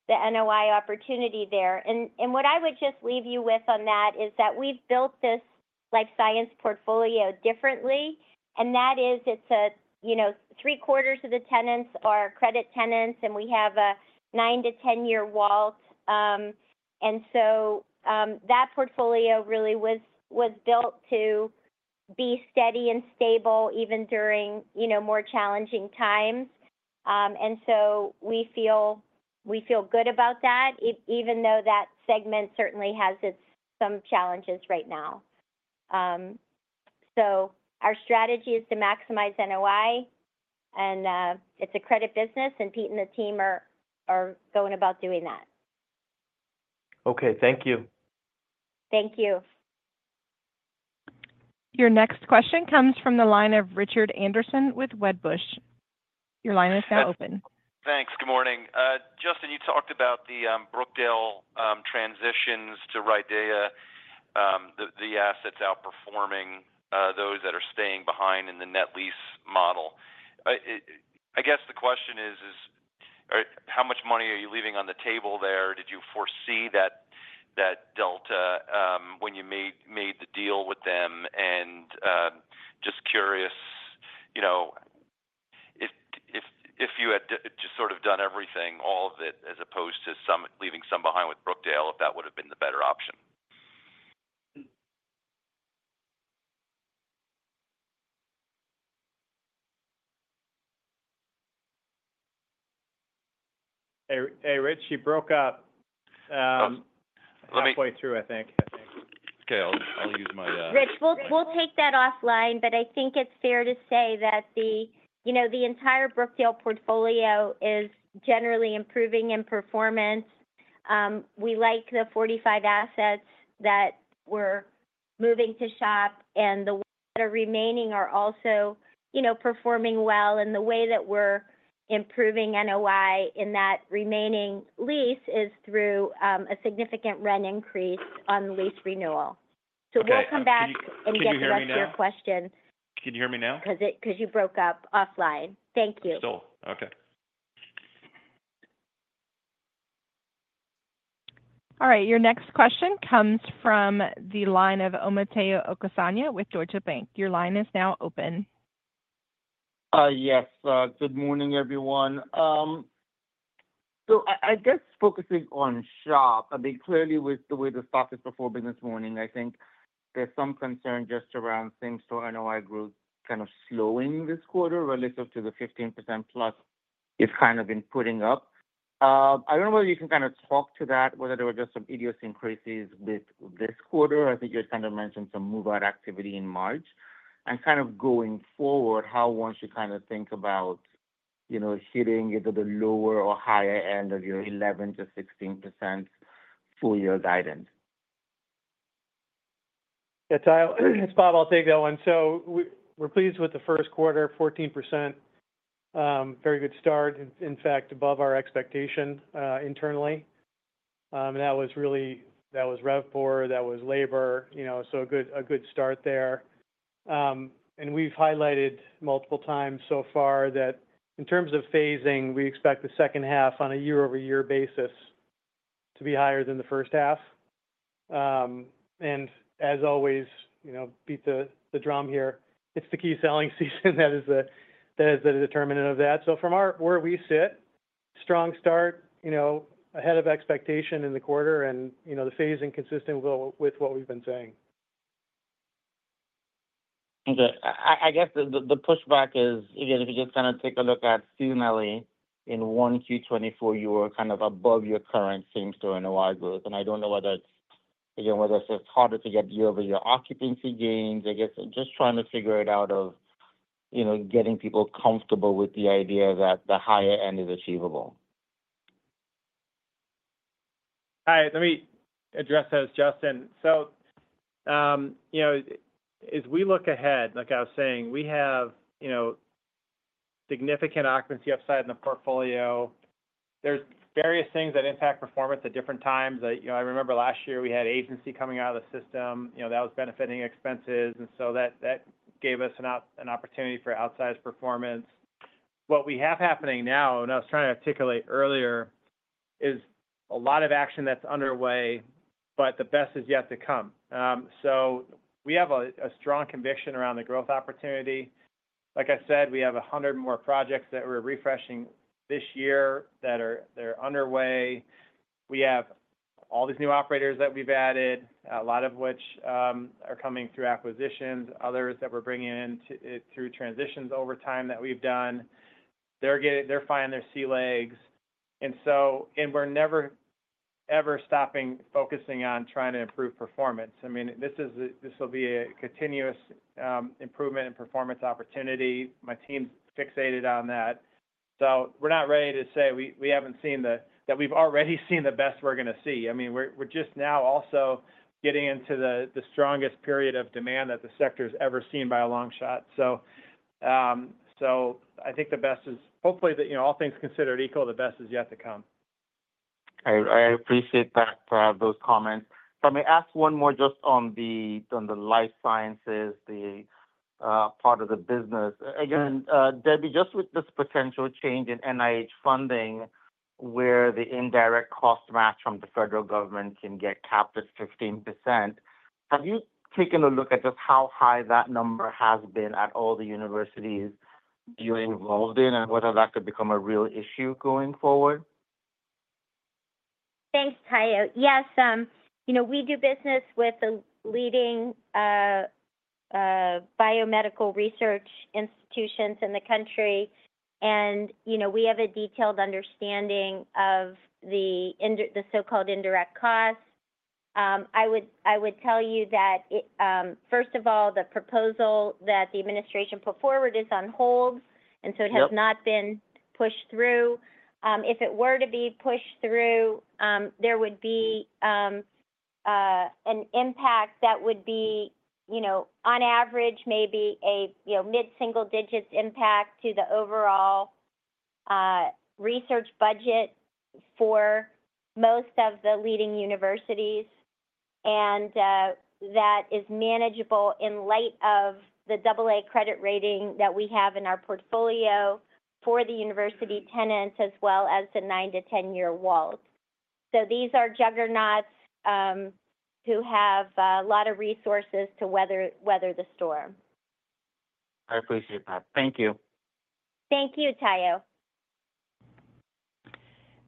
the NOI opportunity there. What I would just leave you with on that is that we have built this life science portfolio differently. That is, three-quarters of the tenants are credit tenants, and we have a nine to 10 year wall. That portfolio really was built to be steady and stable even during more challenging times. We feel good about that, even though that segment certainly has its some challenges right now. Our strategy is to maximize NOI, and it's a credit business, and Pete and the team are going about doing that. Okay. Thank you. Thank you. Your next question comes from the line of Richard Anderson with Wedbush. Your line is now open. Thanks. Good morning. Justin, you talked about the Brookdale transitions to RIDEA, the assets outperforming those that are staying behind in the net lease model. I guess the question is, how much money are you leaving on the table there? Did you foresee that delta when you made the deal with them? Just curious, if you had just sort of done everything, all of it, as opposed to leaving some behind with Brookdale, if that would have been the better option? Hey, Rich, you broke up halfway through, I think. Okay. I'll use my— Rich, we'll take that offline, but I think it's fair to say that the entire Brookdale portfolio is generally improving in performance. We like the 45 assets that we're moving to SHOP, and the ones that are remaining are also performing well. The way that we're improving NOI in that remaining lease is through a significant rent increase on lease renewal. We'll come back and get back to your question. Can you hear me now? Because you broke up offline. Thank you. Still. Okay. All right. Your next question comes from the line of Omotayo Okusanya with Deutsche Bank. Your line is now open. Yes. Good morning, everyone. I guess focusing on SHOP, I mean, clearly with the way the stock is performing this morning, I think there's some concern just around same-store NOI growth kind of slowing this quarter relative to the 15% plus it's kind of been putting up. I don't know whether you can kind of talk to that, whether there were just some idiosyncrasies with this quarter. I think you had kind of mentioned some move-out activity in March. Kind of going forward, how do you think about hitting either the lower or higher end of your 11%-16% full-year guidance? Yeah. It's Bob. I'll take that one. We're pleased with the first quarter, 14%. Very good start. In fact, above our expectation internally. That was really—that was RevPAR. That was labor. A good start there. We've highlighted multiple times so far that in terms of phasing, we expect the second half on a year-over-year basis to be higher than the first half. As always, beat the drum here. It's the key selling season that is the determinant of that. From where we sit, strong start, ahead of expectation in the quarter, and the phasing consistent with what we've been saying. I guess the pushback is, again, if you just kind of take a look at seasonally in Q1 2024, you were kind of above your current same-store NOI growth. I do not know whether it is, again, whether it is just harder to get year-over-year occupancy gains. I guess I am just trying to figure it out of getting people comfortable with the idea that the higher end is achievable. Hi. Let me address that as Justin. As we look ahead, like I was saying, we have significant occupancy upside in the portfolio. There are various things that impact performance at different times. I remember last year we had agency coming out of the system that was benefiting expenses. That gave us an opportunity for outsized performance. What we have happening now, and I was trying to articulate earlier, is a lot of action that's underway, but the best is yet to come. We have a strong conviction around the growth opportunity. Like I said, we have 100 more projects that we're refreshing this year that are underway. We have all these new operators that we've added, a lot of which are coming through acquisitions, others that we're bringing in through transitions over time that we've done. They're finding their sea legs. We're never ever stopping focusing on trying to improve performance. I mean, this will be a continuous improvement in performance opportunity. My team's fixated on that. We're not ready to say we haven't seen the—that we've already seen the best we're going to see. I mean, we're just now also getting into the strongest period of demand that the sector's ever seen by a long shot. I think the best is hopefully, all things considered equal, the best is yet to come. I appreciate those comments. Let me ask one more just on the life sciences, the part of the business. Again, Debbie, just with this potential change in NIH funding where the indirect cost match from the federal government can get capped at 15%, have you taken a look at just how high that number has been at all the universities you're involved in and whether that could become a real issue going forward? Thanks, Tayo. Yes. We do business with the leading biomedical research institutions in the country. We have a detailed understanding of the so-called indirect costs. I would tell you that, first of all, the proposal that the administration put forward is on hold, and it has not been pushed through. If it were to be pushed through, there would be an impact that would be, on average, maybe a mid-single-digit impact to the overall research budget for most of the leading universities. That is manageable in light of the AA credit rating that we have in our portfolio for the university tenants as well as the 9-10 year walls. These are juggernauts who have a lot of resources to weather the storm. I appreciate that. Thank you. Thank you, Tayo.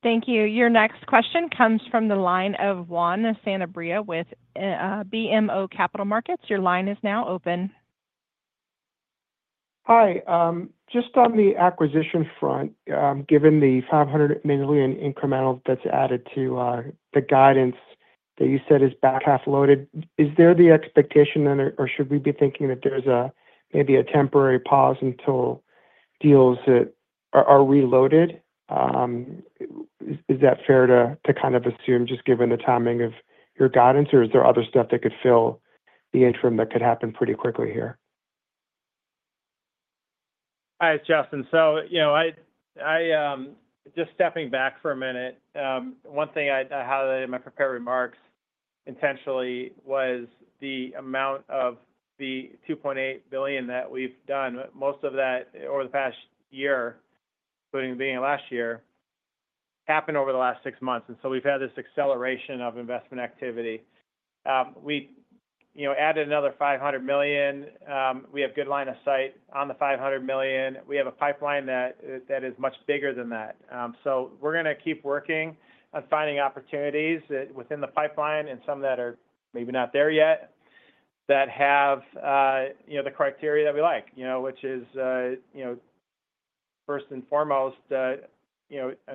Thank you. Your next question comes from the line of Juan Sanabria with BMO Capital Markets. Your line is now open. Hi. Just on the acquisition front, given the $500 million incremental that's added to the guidance that you said is back half loaded, is there the expectation or should we be thinking that there's maybe a temporary pause until deals that are reloaded? Is that fair to kind of assume just given the timing of your guidance, or is there other stuff that could fill the interim that could happen pretty quickly here? Hi, it's Justin. Just stepping back for a minute, one thing I highlighted in my prepared remarks intentionally was the amount of the $2.8 billion that we've done. Most of that over the past year, including being last year, happened over the last six months. We've had this acceleration of investment activity. We added another $500 million. We have good line of sight on the $500 million. We have a pipeline that is much bigger than that. We're going to keep working on finding opportunities within the pipeline and some that are maybe not there yet that have the criteria that we like, which is first and foremost an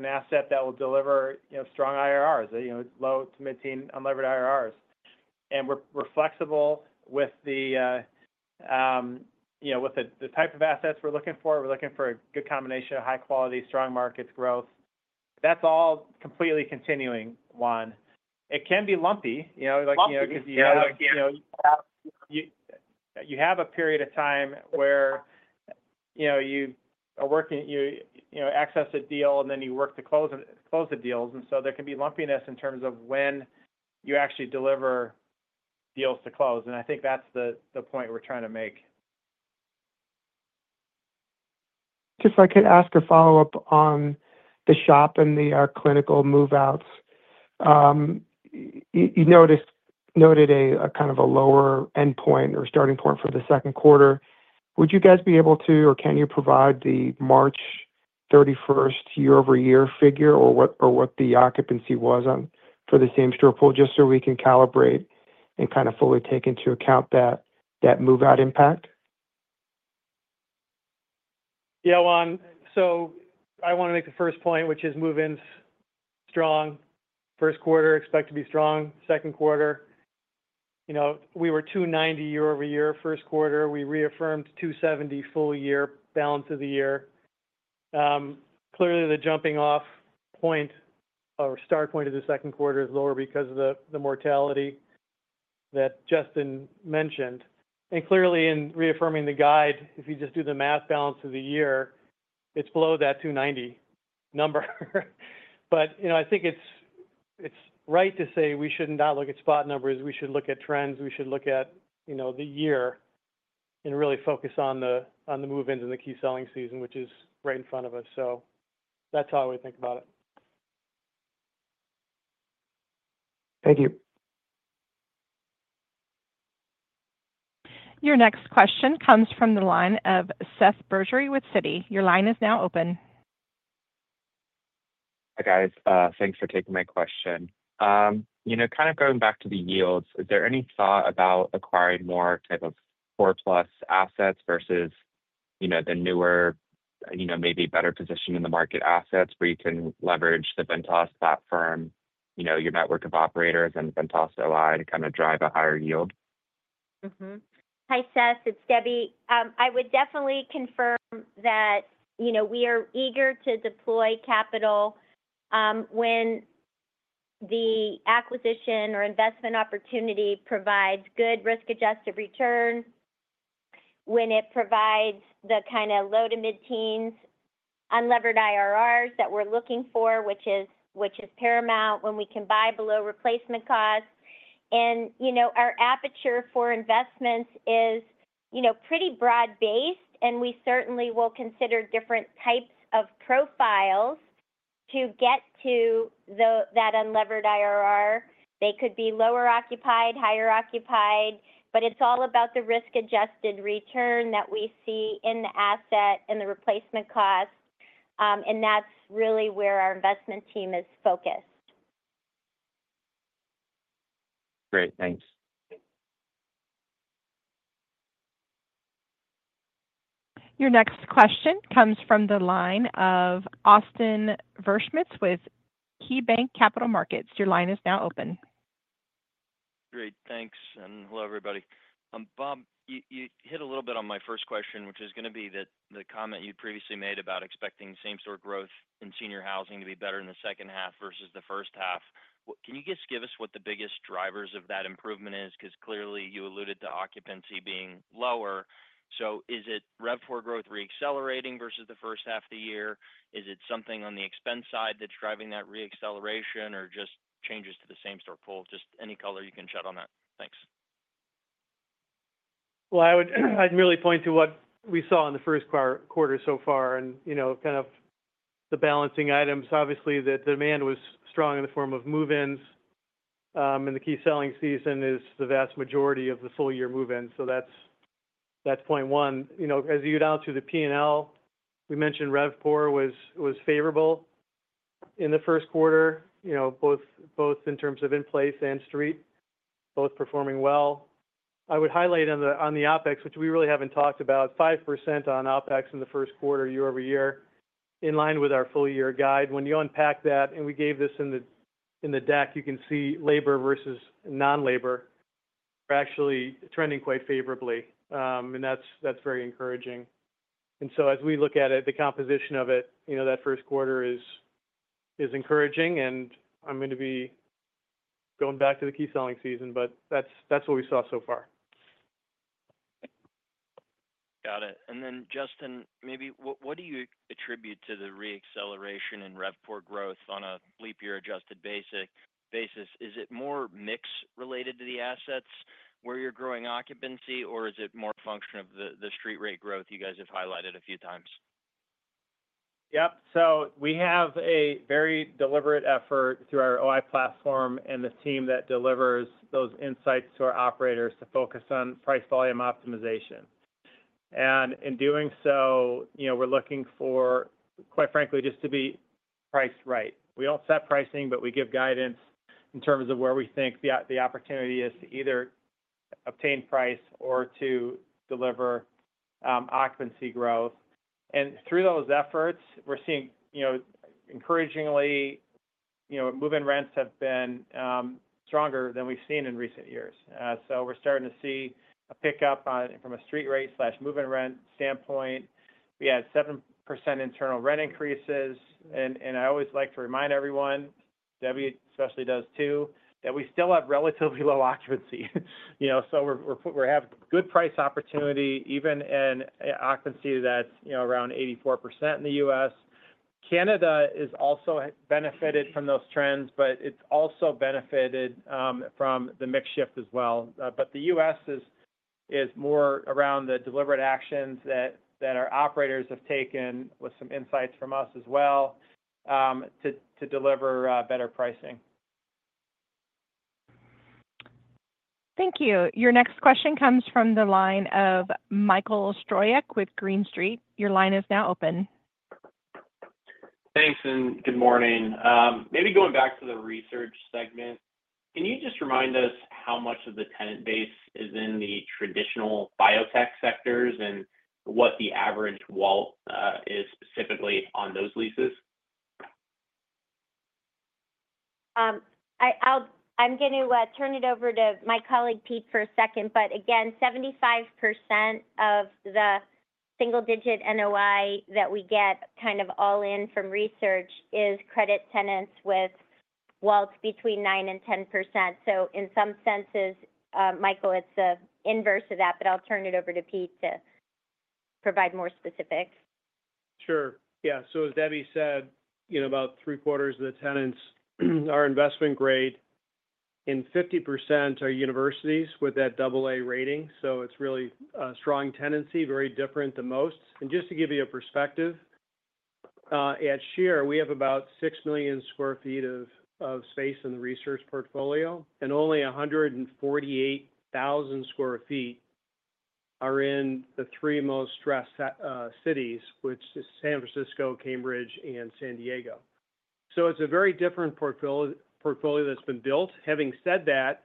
asset that will deliver strong IRRs, low to mid-teen, unlevered IRRs. We're flexible with the type of assets we're looking for. We're looking for a good combination of high quality, strong markets growth. That's all completely continuing, Juan. It can be lumpy because you have a period of time where you access a deal, and then you work to close the deals. There can be lumpiness in terms of when you actually deliver deals to close. I think that's the point we're trying to make. Just if I could ask a follow-up on the SHOP and the clinical move-outs. You noted kind of a lower endpoint or starting point for the second quarter. Would you guys be able to, or can you provide the March 31 year-over-year figure or what the occupancy was for the same-store pool just so we can calibrate and kind of fully take into account that move-out impact? Yeah, Juan. I want to make the first point, which is move-ins strong. First quarter, expect to be strong. Second quarter, we were 290 year-over-year first quarter. We reaffirmed 270 full-year balance of the year. Clearly, the jumping-off point or start point of the second quarter is lower because of the mortality that Justin mentioned. Clearly, in reaffirming the guide, if you just do the math, balance of the year, it's below that 290 number. I think it's right to say we should not look at spot numbers. We should look at trends. We should look at the year and really focus on the move-ins and the key selling season, which is right in front of us. That's how I would think about it. Thank you. Your next question comes from the line of Seth Berezofsky with Citi. Your line is now open. Hi, guys. Thanks for taking my question. Kind of going back to the yields, is there any thought about acquiring more type of 4-plus assets versus the newer, maybe better positioned in the market assets where you can leverage the Ventas platform, your network of operators, and Ventas OI to kind of drive a higher yield? Hi, Seth. It's Debbie. I would definitely confirm that we are eager to deploy capital when the acquisition or investment opportunity provides good risk-adjusted return, when it provides the kind of low to mid-teens unlevered IRRs that we're looking for, which is paramount when we can buy below replacement costs. Our aperture for investments is pretty broad-based, and we certainly will consider different types of profiles to get to that unlevered IRR. They could be lower occupied, higher occupied, but it's all about the risk-adjusted return that we see in the asset and the replacement cost. That's really where our investment team is focused. Great. Thanks. Your next question comes from the line of Austin Wurschmidt with KeyBanc Capital Markets. Your line is now open. Great. Thanks. Hello, everybody. Bob, you hit a little bit on my first question, which is going to be the comment you previously made about expecting same-store growth in senior housing to be better in the second half versus the first half. Can you just give us what the biggest drivers of that improvement is? Because clearly, you alluded to occupancy being lower. Is it RevPAR growth reaccelerating versus the first half of the year? Is it something on the expense side that's driving that reacceleration or just changes to the same-store pool? Any color you can shed on that. Thanks. I'd really point to what we saw in the first quarter so far and kind of the balancing items. Obviously, the demand was strong in the form of move-ins in the key selling season is the vast majority of the full-year move-ins. That's point one. As you get out to the P&L, we mentioned RevPAR was favorable in the first quarter, both in terms of in place and street, both performing well. I would highlight on the OpEx, which we really haven't talked about, 5% on OpEx in the first quarter year-over-year in line with our full-year guide. When you unpack that, and we gave this in the deck, you can see labor versus non-labor are actually trending quite favorably. That's very encouraging. As we look at it, the composition of it, that first quarter is encouraging. I'm going to be going back to the key selling season, but that's what we saw so far. Got it. Justin, maybe what do you attribute to the reacceleration in RevPAR growth on a leap-year adjusted basis? Is it more mix related to the assets where you're growing occupancy, or is it more a function of the street rate growth you guys have highlighted a few times? Yep. We have a very deliberate effort through our OI platform and the team that delivers those insights to our operators to focus on price volume optimization. In doing so, we're looking for, quite frankly, just to be priced right. We don't set pricing, but we give guidance in terms of where we think the opportunity is to either obtain price or to deliver occupancy growth. Through those efforts, we're seeing, encouragingly, move-in rents have been stronger than we've seen in recent years. We're starting to see a pickup from a street rate/move-in rent standpoint. We had 7% internal rent increases. I always like to remind everyone, Debbie especially does too, that we still have relatively low occupancy. We have good price opportunity even in occupancy that's around 84% in the U.S. Canada is also benefited from those trends, but it's also benefited from the mix shift as well. The U.S. is more around the deliberate actions that our operators have taken with some insights from us as well to deliver better pricing. Thank you. Your next question comes from the line of Michael Stryjek with Green Street. Your line is now open. Thanks. Good morning. Maybe going back to the research segment, can you just remind us how much of the tenant base is in the traditional biotech sectors and what the average wallet is specifically on those leases? I'm going to turn it over to my colleague Pete for a second. Again, 75% of the single-digit NOI that we get kind of all in from research is credit tenants with wallets between 9% and 10%. In some senses, Michael, it's the inverse of that, but I'll turn it over to Pete to provide more specifics. Sure. Yeah. As Debbie said, about three-quarters of the tenants are investment grade, and 50% are universities with that AA rating. It is really a strong tenancy, very different than most. Just to give you a perspective, at Ventas, we have about 6 million sq ft of space in the research portfolio, and only 148,000 sq ft are in the three most stressed cities, which are San Francisco, Cambridge, and San Diego. It is a very different portfolio that has been built. Having said that,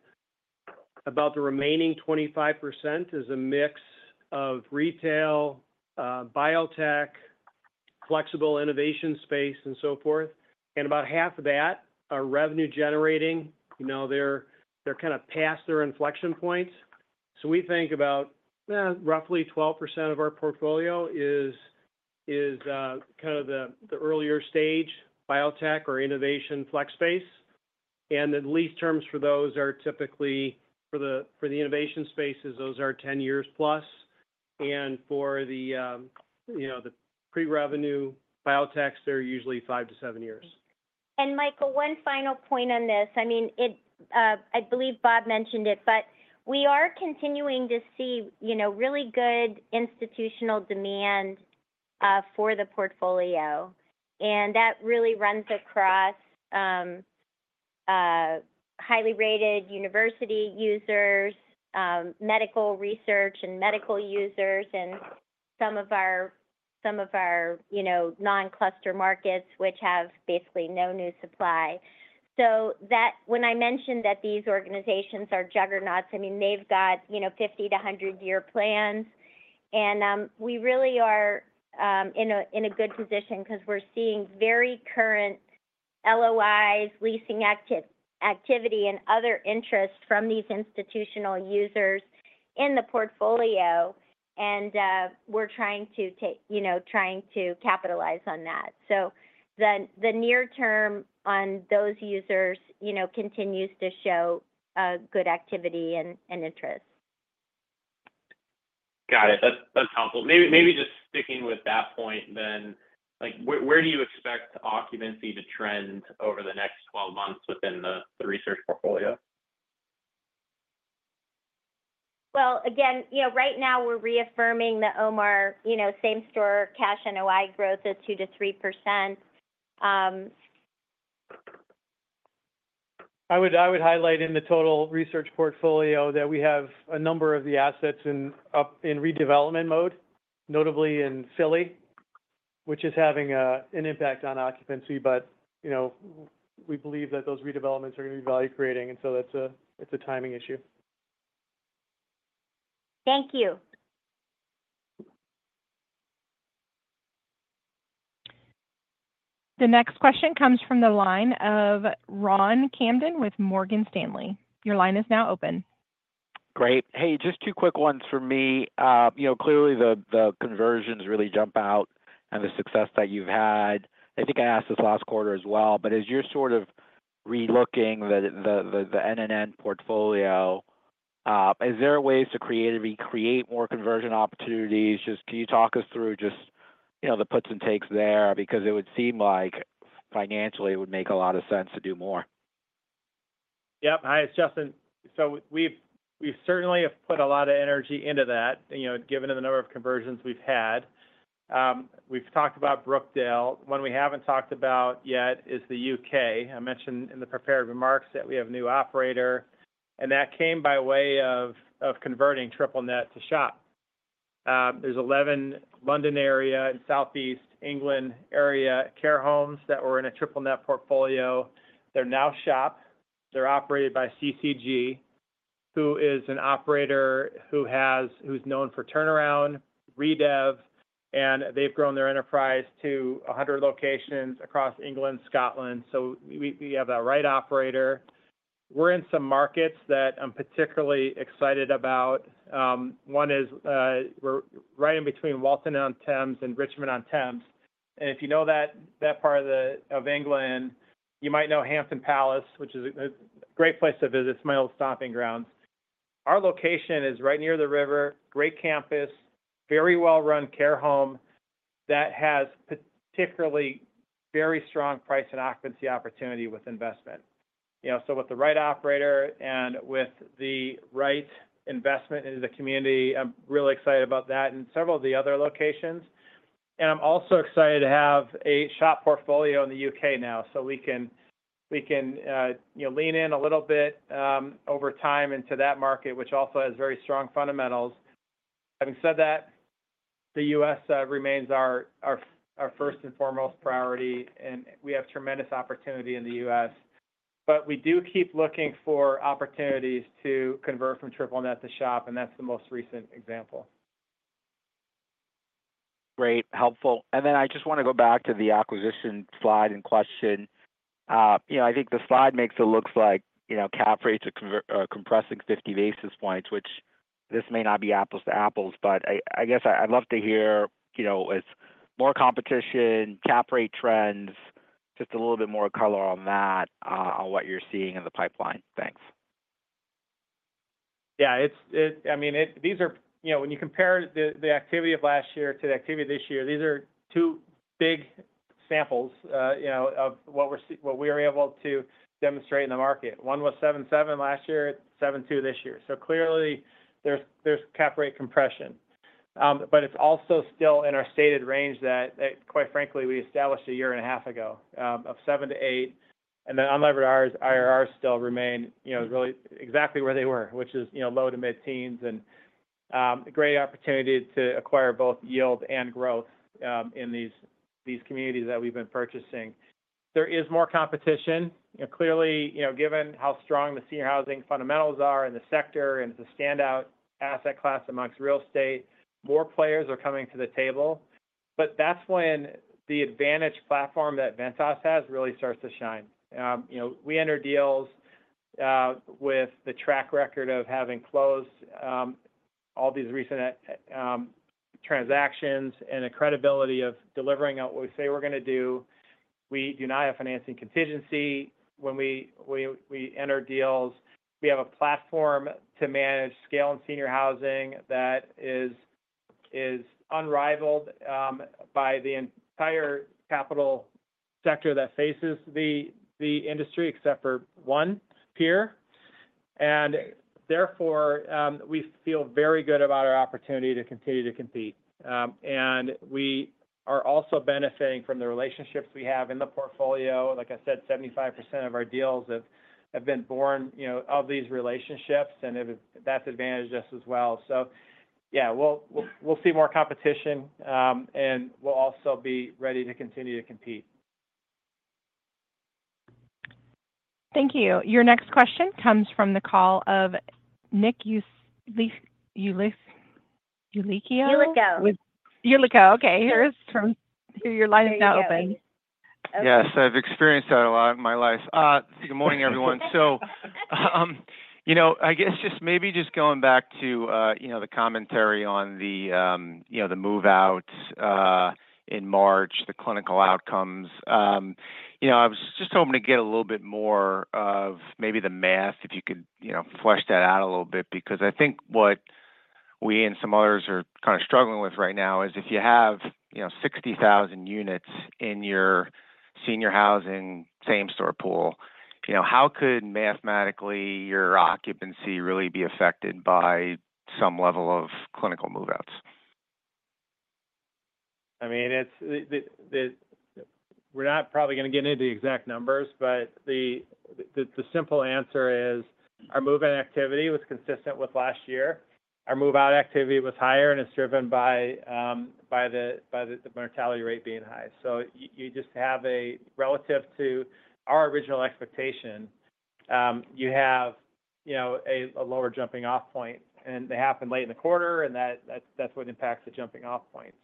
about the remaining 25% is a mix of retail, biotech, flexible innovation space, and so forth. About half of that are revenue-generating. They are kind of past their inflection points. We think about roughly 12% of our portfolio as kind of the earlier stage biotech or innovation flex space. The lease terms for those are typically for the innovation spaces, those are 10 years plus. For the pre-revenue biotechs, they're usually 5-7 years. Michael, one final point on this. I mean, I believe Bob mentioned it, but we are continuing to see really good institutional demand for the portfolio. That really runs across highly rated university users, medical research and medical users, and some of our non-cluster markets, which have basically no new supply. When I mentioned that these organizations are juggernauts, I mean, they've got 50-100 year plans. We really are in a good position because we're seeing very current LOIs, leasing activity, and other interests from these institutional users in the portfolio. We're trying to capitalize on that. The near-term on those users continues to show good activity and interest. Got it. That's helpful. Maybe just sticking with that point then, where do you expect occupancy to trend over the next 12 months within the research portfolio? Right now, we're reaffirming the SHOP same-store cash NOI growth of 2%-3%. I would highlight in the total research portfolio that we have a number of the assets in redevelopment mode, notably in Philadelphia, which is having an impact on occupancy. We believe that those redevelopments are going to be value-creating. It is a timing issue. Thank you. The next question comes from the line of Ron Kamdem with Morgan Stanley. Your line is now open. Great. Hey, just two quick ones for me. Clearly, the conversions really jump out and the success that you've had. I think I asked this last quarter as well. As you're sort of relooking the NNN portfolio, is there a way to create more conversion opportunities? Can you talk us through just the puts and takes there? It would seem like financially, it would make a lot of sense to do more. Yep. Hi, it's Justin. We certainly have put a lot of energy into that, given the number of conversions we've had. We've talked about Brookdale. One we haven't talked about yet is the U.K. I mentioned in the prepared remarks that we have a new operator. That came by way of converting Triple-Net to SHOP. There are 11 London area and southeast England area care homes that were in a Triple-Net portfolio. They're now SHOP. They're operated by CCG, who is an operator known for turnaround, redev, and they've grown their enterprise to 100 locations across England and Scotland. We have the right operator. We're in some markets that I'm particularly excited about. One is we're right in between Walton-on-Thames and Richmond-upon-Thames. If you know that part of England, you might know Hampton Palace, which is a great place to visit. It's my old stomping grounds. Our location is right near the river, great campus, very well-run care home that has particularly very strong price and occupancy opportunity with investment. With the right operator and with the right investment in the community, I'm really excited about that and several of the other locations. I'm also excited to have a SHOP portfolio in the U.K. now so we can lean in a little bit over time into that market, which also has very strong fundamentals. Having said that, the U.S. remains our first and foremost priority, and we have tremendous opportunity in the U.S. We do keep looking for opportunities to convert from Triple-Net to SHOP, and that's the most recent example. Great. Helpful. I just want to go back to the acquisition slide and question. I think the slide makes it look like cap rates are compressing 50 basis points, which this may not be apples to apples, but I guess I'd love to hear more competition, cap rate trends, just a little bit more color on that, on what you're seeing in the pipeline. Thanks. Yeah. I mean, these are when you compare the activity of last year to the activity of this year, these are two big samples of what we were able to demonstrate in the market. One was 7.7 last year, 7.2 this year. Clearly, there is cap rate compression. It is also still in our stated range that, quite frankly, we established a year and a half ago of seven to eight. Unlevered IRRs still remain really exactly where they were, which is low to mid-teens. Great opportunity to acquire both yield and growth in these communities that we have been purchasing. There is more competition. Clearly, given how strong the senior housing fundamentals are in the sector and it is a standout asset class amongst real estate, more players are coming to the table. That is when the Advantage platform that Ventas has really starts to shine. We enter deals with the track record of having closed all these recent transactions and the credibility of delivering out what we say we're going to do. We do not have financing contingency when we enter deals. We have a platform to manage scale and senior housing that is unrivaled by the entire capital sector that faces the industry except for one peer. Therefore, we feel very good about our opportunity to continue to compete. We are also benefiting from the relationships we have in the portfolio. Like I said, 75% of our deals have been born of these relationships, and that's advantaged us as well. Yeah, we'll see more competition, and we'll also be ready to continue to compete. Thank you. Your next question comes from the call of Nick Yulico. Yulico. Okay. Your line is now open. Yes. I've experienced that a lot in my life. Good morning, everyone. I guess just maybe just going back to the commentary on the move-out in March, the clinical outcomes, I was just hoping to get a little bit more of maybe the math, if you could flesh that out a little bit, because I think what we and some others are kind of struggling with right now is if you have 60,000 units in your senior housing same-store pool, how could mathematically your occupancy really be affected by some level of clinical move-outs? I mean, we're not probably going to get into the exact numbers, but the simple answer is our move-in activity was consistent with last year. Our move-out activity was higher, and it's driven by the mortality rate being high. You just have, relative to our original expectation, a lower jumping-off point. They happen late in the quarter, and that's what impacts the jumping-off point.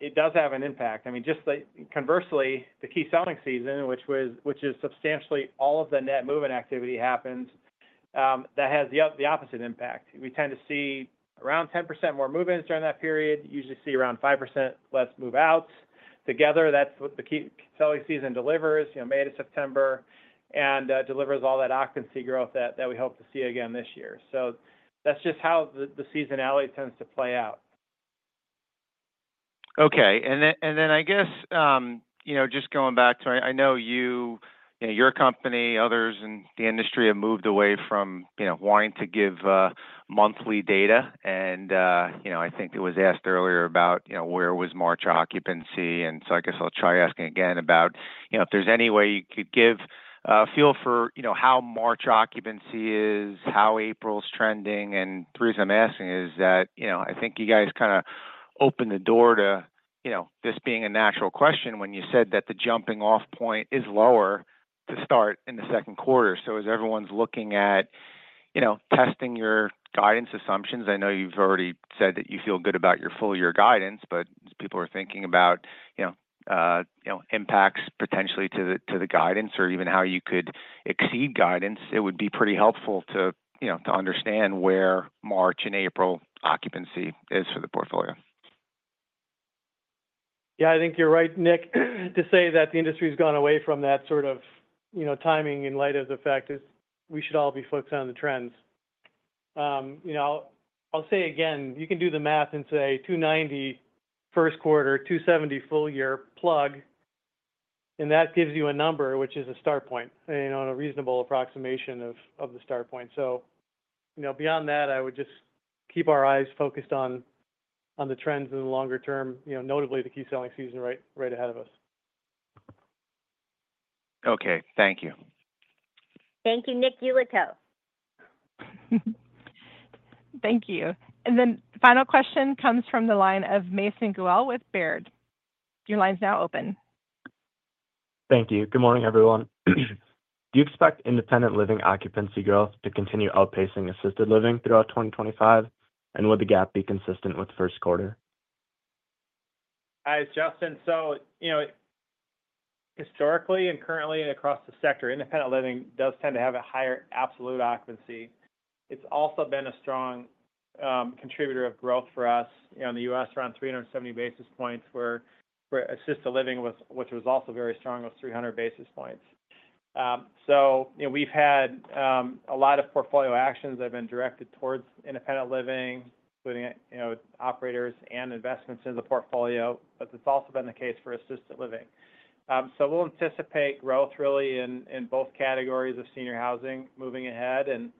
It does have an impact. I mean, just conversely, the key selling season, which is substantially all of the net move-in activity, happens, that has the opposite impact. We tend to see around 10% more move-ins during that period, usually see around 5% less move-outs. Together, that's what the key selling season delivers, May to September, and delivers all that occupancy growth that we hope to see again this year. That's just how the seasonality tends to play out. Okay. I guess just going back to I know your company, others, and the industry have moved away from wanting to give monthly data. I think it was asked earlier about where was March occupancy. I guess I'll try asking again about if there's any way you could give a feel for how March occupancy is, how April's trending. The reason I'm asking is that I think you guys kind of opened the door to this being a natural question when you said that the jumping-off point is lower to start in the second quarter. As everyone's looking at testing your guidance assumptions, I know you've already said that you feel good about your full-year guidance, but people are thinking about impacts potentially to the guidance or even how you could exceed guidance. It would be pretty helpful to understand where March and April occupancy is for the portfolio. Yeah. I think you're right, Nick, to say that the industry has gone away from that sort of timing in light of the fact that we should all be focused on the trends. I'll say again, you can do the math and say 290 first quarter, 270 full-year plug, and that gives you a number, which is a start point, a reasonable approximation of the start point. Beyond that, I would just keep our eyes focused on the trends in the longer term, notably the key selling season right ahead of us. Okay. Thank you. Thank you, Nick Yulico. Thank you. Final question comes from the line of Mason Guell with Baird. Your line's now open. Thank you. Good morning, everyone. Do you expect independent living occupancy growth to continue outpacing assisted living throughout 2025? Would the gap be consistent with first quarter? Hi, it's Justin. Historically and currently and across the sector, independent living does tend to have a higher absolute occupancy. It's also been a strong contributor of growth for us in the U.S., around 370 basis points, where assisted living, which was also very strong, was 300 basis points. We have had a lot of portfolio actions that have been directed towards independent living, including operators and investments in the portfolio. It has also been the case for assisted living. We anticipate growth really in both categories of senior housing moving ahead and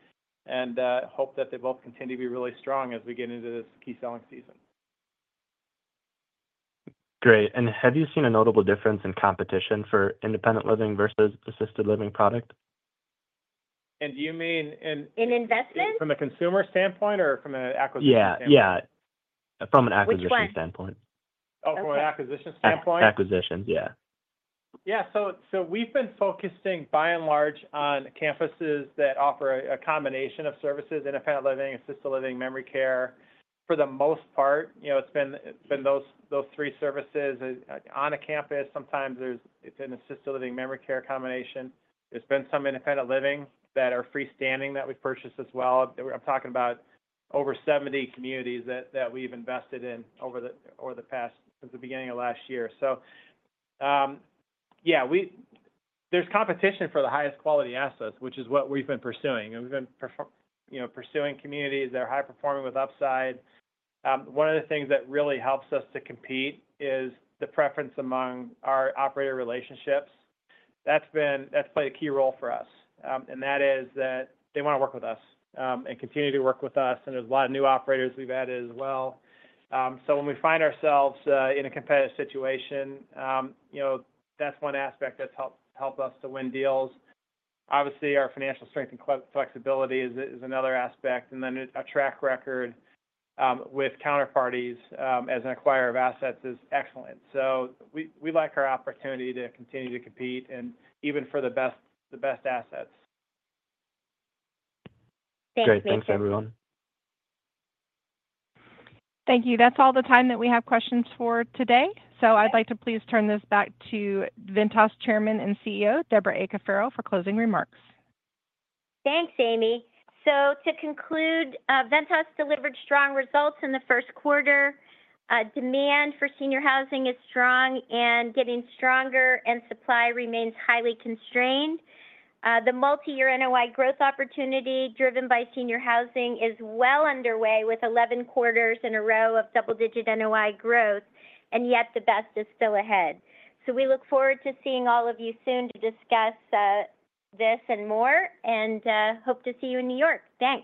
hope that they both continue to be really strong as we get into this key selling season. Great. Have you seen a notable difference in competition for independent living versus assisted living product? Do you mean in. In investment? From a consumer standpoint or from an acquisition standpoint? Yeah. Yeah. From an acquisition standpoint. Oh, from an acquisition standpoint? Acquisitions, yeah. Yeah. We've been focusing by and large on campuses that offer a combination of services: independent living, assisted living, memory care. For the most part, it's been those three services on a campus. Sometimes it's an assisted living, memory care combination. There's been some independent living that are freestanding that we've purchased as well. I'm talking about over 70 communities that we've invested in since the beginning of last year. Yeah, there's competition for the highest quality assets, which is what we've been pursuing. We've been pursuing communities that are high-performing with upside. One of the things that really helps us to compete is the preference among our operator relationships. That's played a key role for us. That is that they want to work with us and continue to work with us. There's a lot of new operators we've added as well. When we find ourselves in a competitive situation, that's one aspect that's helped us to win deals. Obviously, our financial strength and flexibility is another aspect. And then a track record with counterparties as an acquirer of assets is excellent. We like our opportunity to continue to compete and even for the best assets. Thank you. Great. Thanks, everyone. Thank you. That's all the time that we have questions for today. I would like to please turn this back to Ventas Chairman and CEO, Debra A. Cafaro, for closing remarks. Thanks, Amy. To conclude, Ventas delivered strong results in the first quarter. Demand for senior housing is strong and getting stronger, and supply remains highly constrained. The multi-year NOI growth opportunity driven by senior housing is well underway with 11 quarters in a row of double-digit NOI growth, and yet the best is still ahead. We look forward to seeing all of you soon to discuss this and more and hope to see you in New York. Thanks.